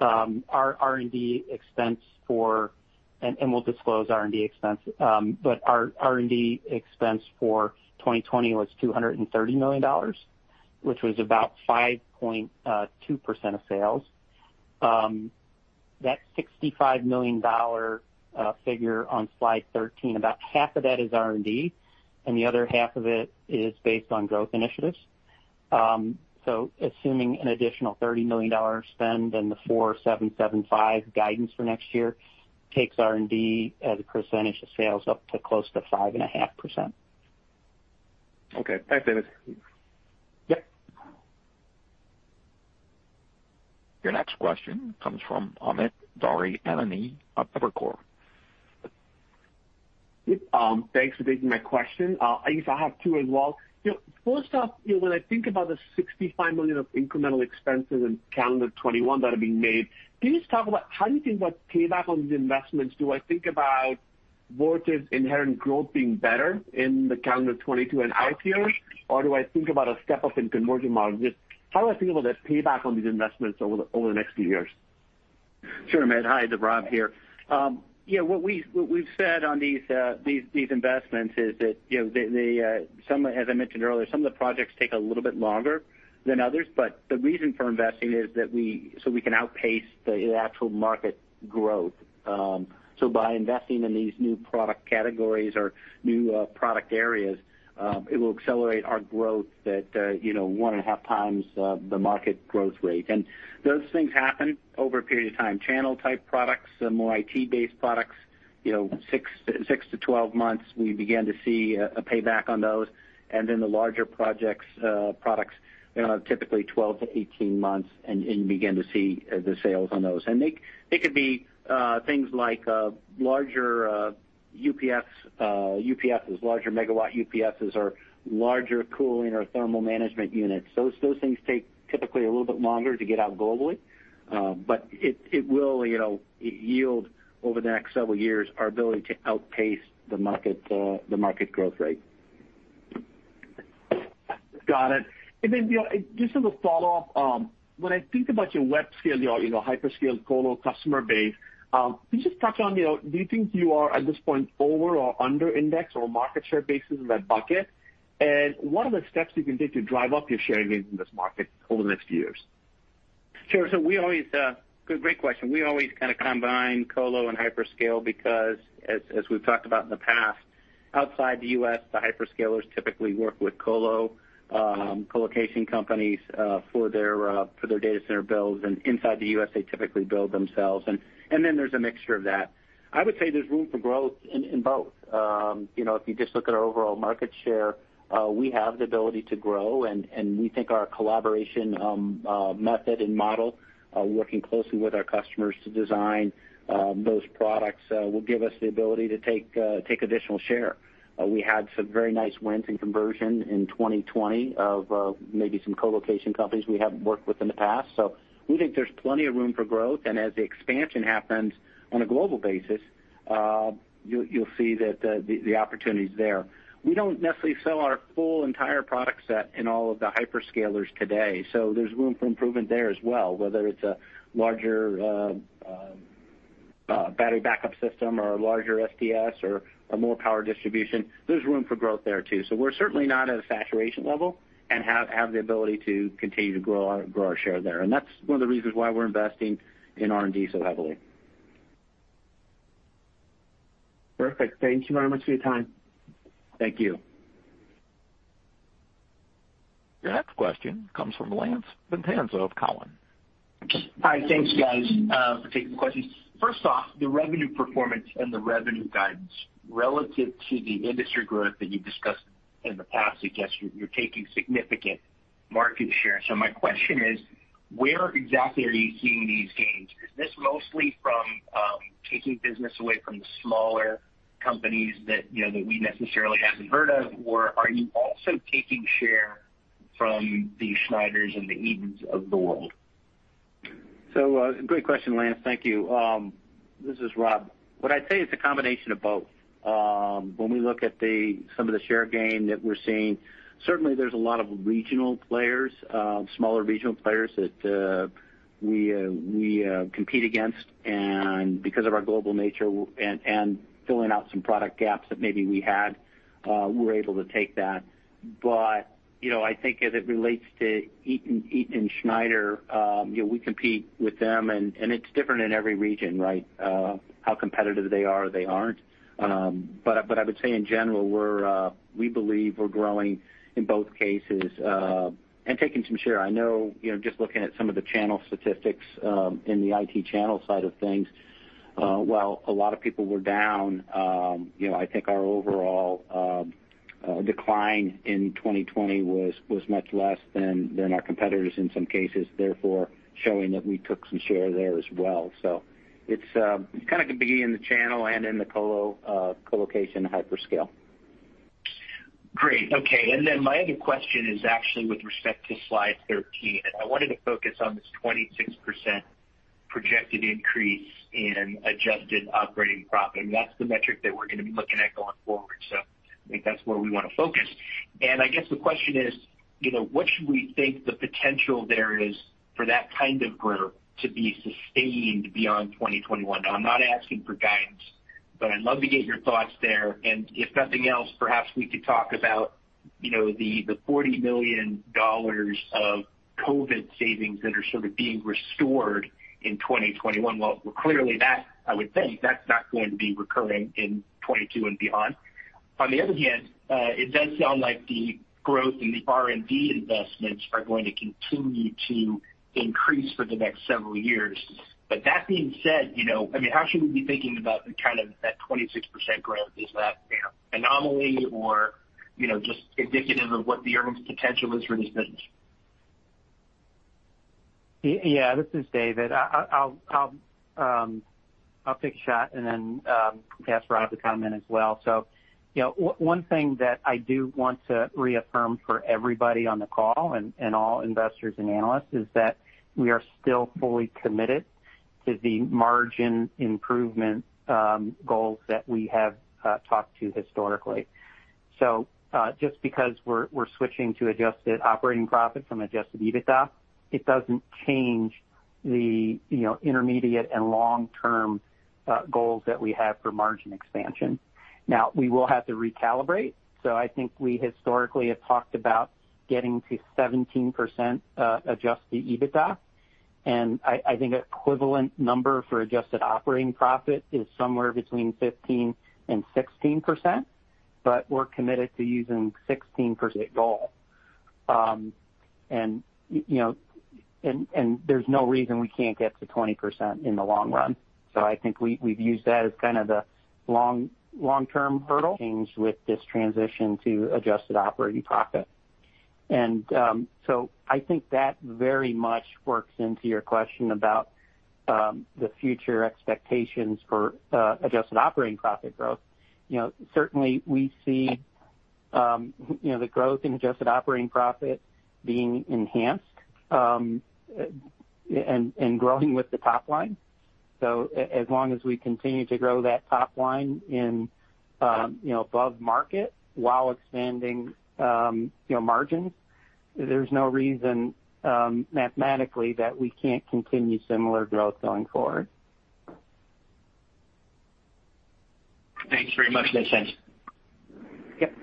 Our R&D expense, and we'll disclose R&D expense, but our R&D expense for 2020 was $230 million, which was about 5.2% of sales. That $65 million figure on slide 13, about half of that is R&D, and the other half of it is based on growth initiatives. Assuming an additional $30 million spend and the 4775 guidance for next year takes R&D as a percentage of sales up to close to 5.5%. Okay. Thanks, David. Yep. Your next question comes from Amit Daryanani of Evercore. Thanks for taking my question. I guess I have two as well. First off, when I think about the $65 million of incremental expenses in calendar 2021 that are being made, can you just talk about how you think about payback on these investments? Do I think about Vertiv's inherent growth being better in the calendar 2022 and out years? Or do I think about a step-up in conversion model? Just how do I think about the payback on these investments over the next few years? Sure, Amit. Hi, this is Rob here. What we've said on these investments is that, as I mentioned earlier, some of the projects take a little bit longer than others, but the reason for investing is so we can outpace the actual market growth. By investing in these new product categories or new product areas, it will accelerate our growth at one and a half times the market growth rate. Those things happen over a period of time. Channel type products, the more IT based products, 6-12 months, we begin to see a payback on those. Then the larger projects, products, typically 12-18 months and you begin to see the sales on those. They could be things like larger UPSs, larger megawatt UPSs or larger cooling or thermal management units. Those things take typically a little bit longer to get out globally. It will yield, over the next several years, our ability to outpace the market growth rate. Got it. Then, just as a follow-up, when I think about your web scale, your hyperscale colo customer base, can you just touch on, do you think you are, at this point, over or under indexed or market share basis in that bucket? What are the steps you can take to drive up your share gains in this market over the next few years? Sure. Great question. We always kind of combine colo and hyperscale because, as we've talked about in the past, outside the U.S., the hyperscalers typically work with colo, colocation companies, for their data center builds. Inside the U.S., they typically build themselves. There's a mixture of that. I would say there's room for growth in both. If you just look at our overall market share, we have the ability to grow, and we think our collaboration method and model, working closely with our customers to design those products, will give us the ability to take additional share. We had some very nice wins in conversion in 2020 of maybe some colocation companies we haven't worked with in the past. We think there's plenty of room for growth, and as the expansion happens on a global basis, you'll see that the opportunity's there. We don't necessarily sell our full entire product set in all of the hyperscalers today, so there's room for improvement there as well, whether it's a larger battery backup system or a larger SDS or more power distribution. There's room for growth there, too. We're certainly not at a saturation level and have the ability to continue to grow our share there. That's one of the reasons why we're investing in R&D so heavily. Perfect. Thank you very much for your time. Thank you. Your next question comes from Lance Vitanza of TD Cowen. Hi. Thanks, guys, for taking the questions. First off, the revenue performance and the revenue guidance relative to the industry growth that you've discussed in the past. I guess you're taking significant market share. My question is, where exactly are you seeing these gains? Is this mostly from taking business away from the smaller companies that we necessarily haven't heard of, or are you also taking share from the Schneiders and the Eatons of the world? Great question, Lance. Thank you. This is Rob. What I'd say, it's a combination of both. When we look at some of the share gain that we're seeing, certainly there's a lot of regional players, smaller regional players that we compete against. Because of our global nature and filling out some product gaps that maybe we had, we're able to take that. I think as it relates to Eaton and Schneider, we compete with them, and it's different in every region, right? How competitive they are or they aren't. I would say in general, we believe we're growing in both cases, and taking some share. I know, just looking at some of the channel statistics in the IT channel side of things, while a lot of people were down, I think our overall decline in 2020 was much less than our competitors in some cases, therefore showing that we took some share there as well. It's kind of competing in the channel and in the colo, colocation, hyperscale. Great. Okay. My other question is actually with respect to slide 13. I wanted to focus on this 26% projected increase in adjusted operating profit. That's the metric that we're going to be looking at going forward. I think that's where we want to focus. I guess the question is: what should we think the potential there is for that kind of growth to be sustained beyond 2021? Now, I'm not asking for guidance. I'd love to get your thoughts there. If nothing else, perhaps we could talk about the $40 million of COVID savings that are sort of being restored in 2021. Well, clearly that, I would think, that's not going to be recurring in 2022 and beyond. It does sound like the growth in the R&D investments are going to continue to increase for the next several years. How should we be thinking about that 26% growth? Is that an anomaly or just indicative of what the earnings potential is for this business? Yeah, this is David. I'll take a shot and then ask Rob to come in as well. One thing that I do want to reaffirm for everybody on the call and all investors and analysts is that we are still fully committed to the margin improvement goals that we have talked to historically. Just because we're switching to adjusted operating profit from adjusted EBITDA, it doesn't change the intermediate and long-term goals that we have for margin expansion. We will have to recalibrate. I think we historically have talked about getting to 17% adjusted EBITDA, and I think equivalent number for adjusted operating profit is somewhere between 15% and 16%, but we're committed to using 16% goal. There's no reason we can't get to 20% in the long run. I think we've used that as kind of the long-term hurdle change with this transition to adjusted operating profit. I think that very much works into your question about the future expectations for adjusted operating profit growth. Certainly, we see the growth in adjusted operating profit being enhanced, and growing with the top line. As long as we continue to grow that top line above market while expanding margins, there's no reason mathematically that we can't continue similar growth going forward. Thanks very much. Makes sense. Yep.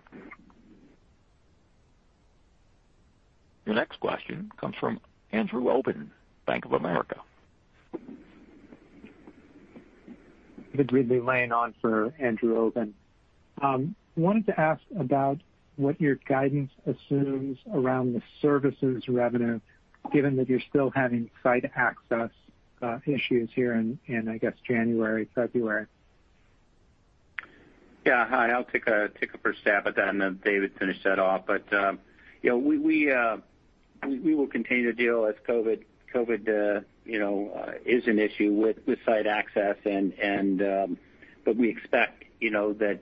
Your next question comes from Andrew Obin, Bank of America. This is David Ridley-Lane on for Andrew Obin. I wanted to ask about what your guidance assumes around the services revenue, given that you're still having site access issues here in, I guess, January, February. Yeah. Hi, I'll take a first stab at that, and then David finish that off. We will continue to deal as COVID is an issue with site access. We expect that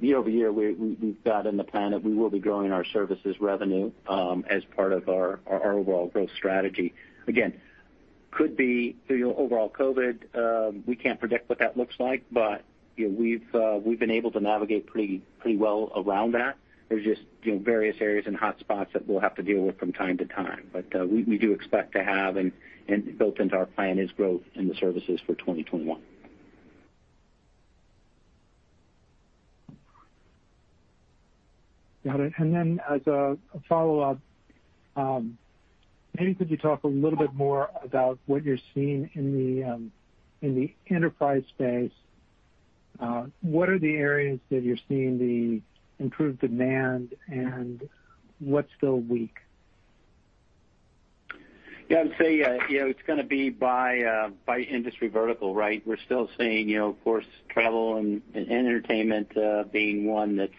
year-over-year, we've got in the plan that we will be growing our services revenue, as part of our overall growth strategy. Again, could be through overall COVID. We can't predict what that looks like, but we've been able to navigate pretty well around that. There's just various areas and hotspots that we'll have to deal with from time to time. We do expect to have, and built into our plan is growth in the services for 2021. Got it. As a follow-up, maybe could you talk a little bit more about what you're seeing in the enterprise space? What are the areas that you're seeing the improved demand, and what's still weak? Yeah, I'd say it's going to be by industry vertical, right? We're still seeing, of course, travel and entertainment being one that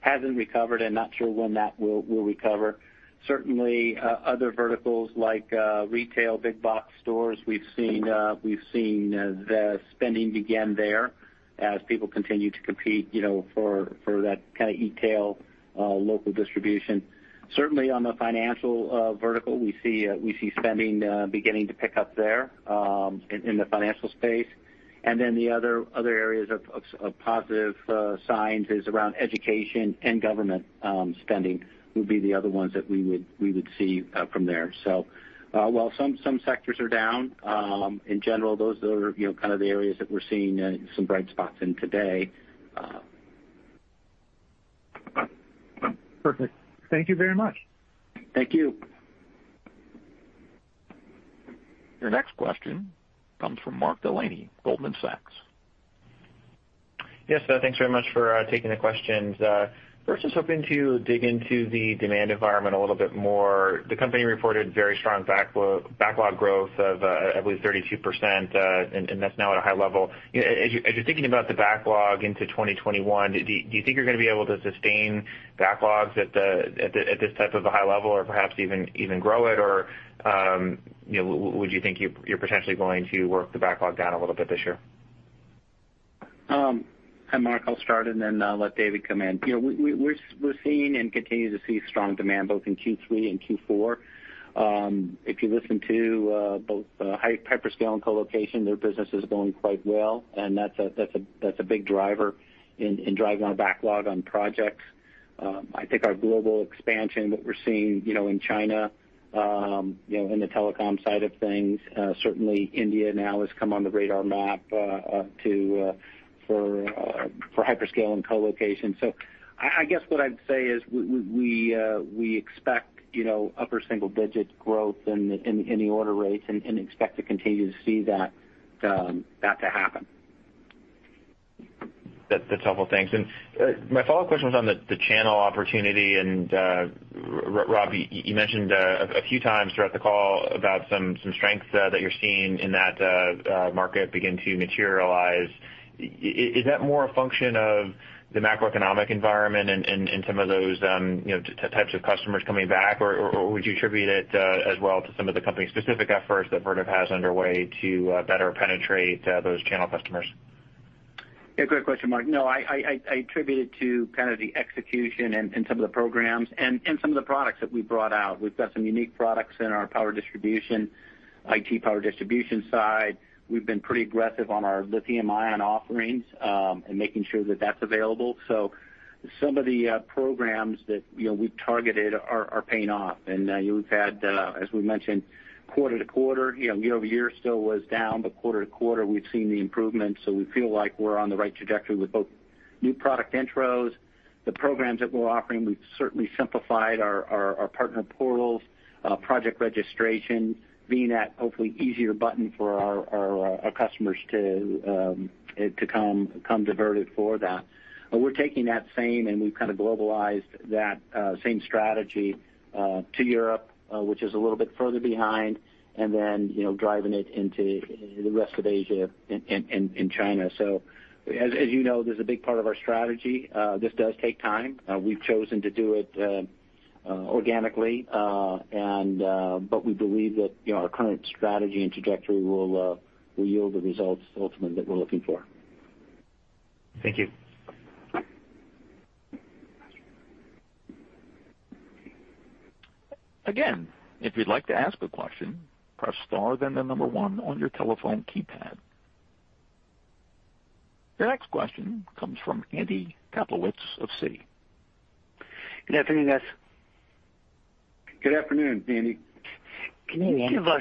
hasn't recovered and not sure when that will recover. Certainly, other verticals like retail, big box stores, we've seen the spending begin there as people continue to compete for that kind of e-tail local distribution. Certainly, on the financial vertical, we see spending beginning to pick up there, in the financial space. The other areas of positive signs is around education and government spending would be the other ones that we would see from there. While some sectors are down, in general, those are kind of the areas that we're seeing some bright spots in today. Perfect. Thank you very much. Thank you. Your next question comes from Mark Delaney, Goldman Sachs. Yes. Thanks very much for taking the questions. First, just hoping to dig into the demand environment a little bit more. The company reported very strong backlog growth of, I believe, 32%, and that's now at a high level. As you're thinking about the backlog into 2021, do you think you're going to be able to sustain backlogs at this type of a high level or perhaps even grow it? Or would you think you're potentially going to work the backlog down a little bit this year? Hi, Mark. I'll start and then let David come in. We're seeing and continue to see strong demand both in Q3 and Q4. If you listen to both hyperscale and colocation, their business is going quite well, and that's a big driver in driving our backlog on projects. I think our global expansion that we're seeing in China, in the telecom side of things, certainly India now has come on the radar map for hyperscale and colocation. I guess what I'd say is we expect upper single-digit growth in the order rates and expect to continue to see that to happen. That's helpful. Thanks. My follow-up question was on the channel opportunity. Rob, you mentioned a few times throughout the call about some strength that you're seeing in that market begin to materialize. Is that more a function of the macroeconomic environment and some of those types of customers coming back? Would you attribute it as well to some of the company's specific efforts that Vertiv has underway to better penetrate those channel customers? Yeah, great question, Mark. I attribute it to kind of the execution and some of the programs and some of the products that we brought out. We've got some unique products in our power distribution, IT power distribution side. We've been pretty aggressive on our lithium-ion offerings, and making sure that that's available. Some of the programs that we've targeted are paying off. We've had, as we mentioned, quarter-to-quarter, year-over-year still was down, but quarter-to-quarter, we've seen the improvements. We feel like we're on the right trajectory with both new product intros, the programs that we're offering. We've certainly simplified our partner portals, project registration, being that hopefully easier button for our customers to come to Vertiv for that. We're taking that same, and we've kind of globalized that same strategy to Europe, which is a little bit further behind, and then driving it into the rest of Asia and China. As you know, this is a big part of our strategy. This does take time. We've chosen to do it organically. We believe that our current strategy and trajectory will yield the results ultimately that we're looking for. Thank you. Your next question comes from Andy Kaplowitz of Citi. Good afternoon, guys. Good afternoon, Andy. Can you give us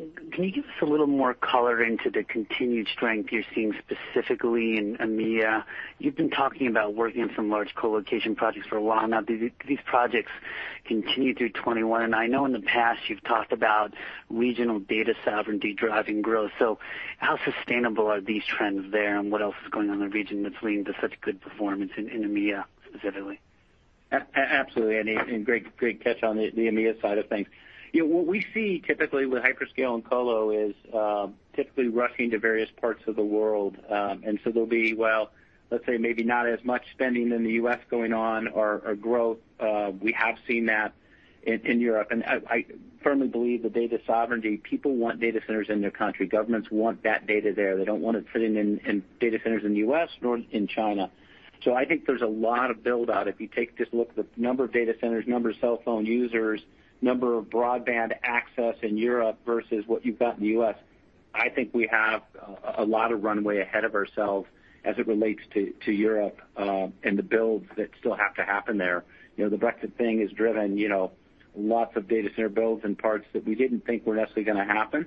a little more color into the continued strength you're seeing specifically in EMEA? You've been talking about working on some large colocation projects for a while now. Do these projects continue through 2021? I know in the past you've talked about regional data sovereignty driving growth. How sustainable are these trends there, and what else is going on in the region that's leading to such good performance in EMEA specifically? Absolutely, Andy, great catch on the EMEA side of things. What we see typically with hyperscale and colo is typically rushing to various parts of the world. There'll be, well, let's say maybe not as much spending in the U.S. going on or growth. We have seen that in Europe, and I firmly believe the data sovereignty, people want data centers in their country. Governments want that data there. They don't want it sitting in data centers in the U.S., nor in China. I think there's a lot of build-out. If you take just a look at the number of data centers, number of cell phone users, number of broadband access in Europe versus what you've got in the U.S., I think we have a lot of runway ahead of ourselves as it relates to Europe, and the builds that still have to happen there. The Brexit thing has driven lots of data center builds in parts that we didn't think were necessarily going to happen.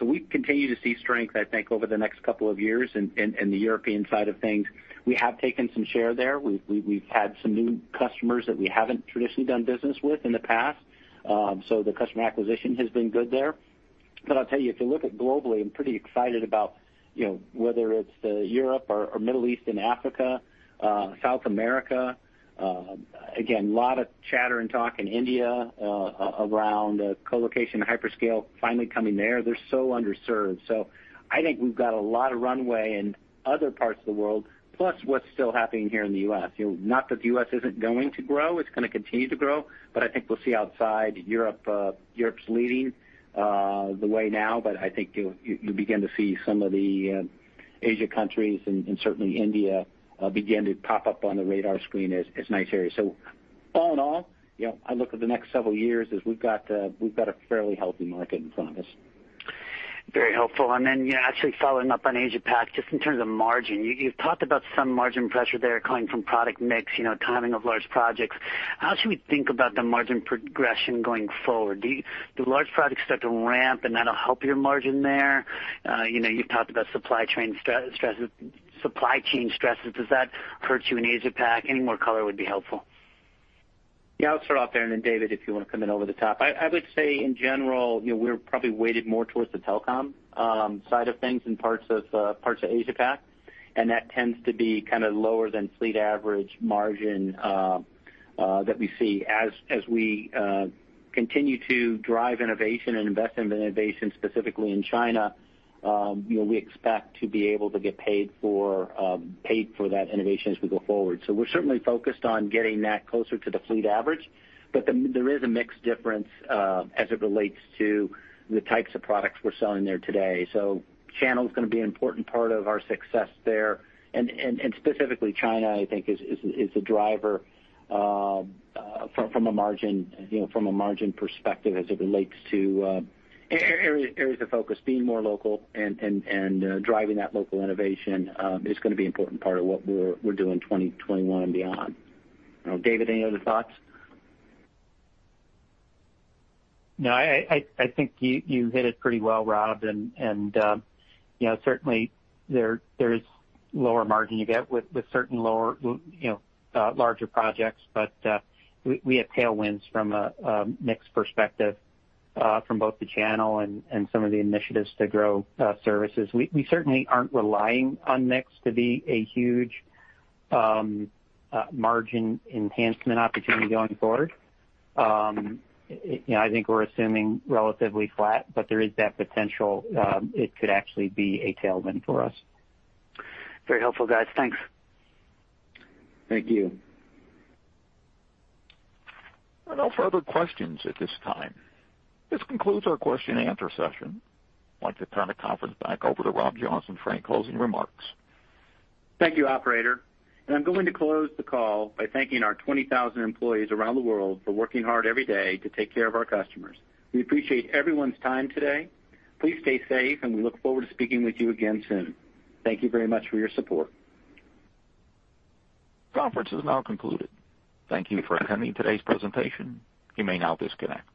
We continue to see strength, I think, over the next couple of years in the European side of things. We have taken some share there. We've had some new customers that we haven't traditionally done business with in the past. The customer acquisition has been good there. I'll tell you, if you look at globally, I'm pretty excited about whether it's Europe or Middle East and Africa, South America. Again, lot of chatter and talk in India around colocation and hyperscale finally coming there. They're so underserved. I think we've got a lot of runway in other parts of the world, plus what's still happening here in the U.S. Not that the U.S. isn't going to grow, it's going to continue to grow, but I think we'll see outside Europe. Europe's leading the way now, but I think you'll begin to see some of the Asia countries and certainly India begin to pop up on the radar screen as nice areas. All in all, I look at the next several years as we've got a fairly healthy market in front of us. Very helpful. Then actually following up on Asia Pac, just in terms of margin, you've talked about some margin pressure there coming from product mix, timing of large projects. How should we think about the margin progression going forward? Do large projects start to ramp and that'll help your margin there? You've talked about supply chain stresses. Does that hurt you in Asia Pac? Any more color would be helpful. Yeah, I'll start off there, and then David, if you want to come in over the top. I would say in general, we're probably weighted more towards the telecom side of things in parts of Asia Pac, and that tends to be kind of lower than fleet average margin that we see. As we continue to drive innovation and invest in innovation specifically in China, we expect to be able to get paid for that innovation as we go forward. We're certainly focused on getting that closer to the fleet average. There is a mix difference, as it relates to the types of products we're selling there today. Channel's going to be an important part of our success there. Specifically China, I think, is a driver from a margin perspective as it relates to areas of focus. Being more local and driving that local innovation is going to be an important part of what we're doing 2021 and beyond. David, any other thoughts? No, I think you hit it pretty well, Rob, and certainly there is lower margin you get with certain larger projects. We have tailwinds from a mix perspective from both the channel and some of the initiatives to grow services. We certainly aren't relying on mix to be a huge margin enhancement opportunity going forward. I think we're assuming relatively flat, but there is that potential it could actually be a tailwind for us. Very helpful, guys. Thanks. Thank you. No further questions at this time. This concludes our question and answer session. I'd like to turn the conference back over to Rob Johnson for any closing remarks. Thank you, operator. I'm going to close the call by thanking our 20,000 employees around the world for working hard every day to take care of our customers. We appreciate everyone's time today. Please stay safe, and we look forward to speaking with you again soon. Thank you very much for your support. Conference is now concluded. Thank you for attending today's presentation. You may now disconnect.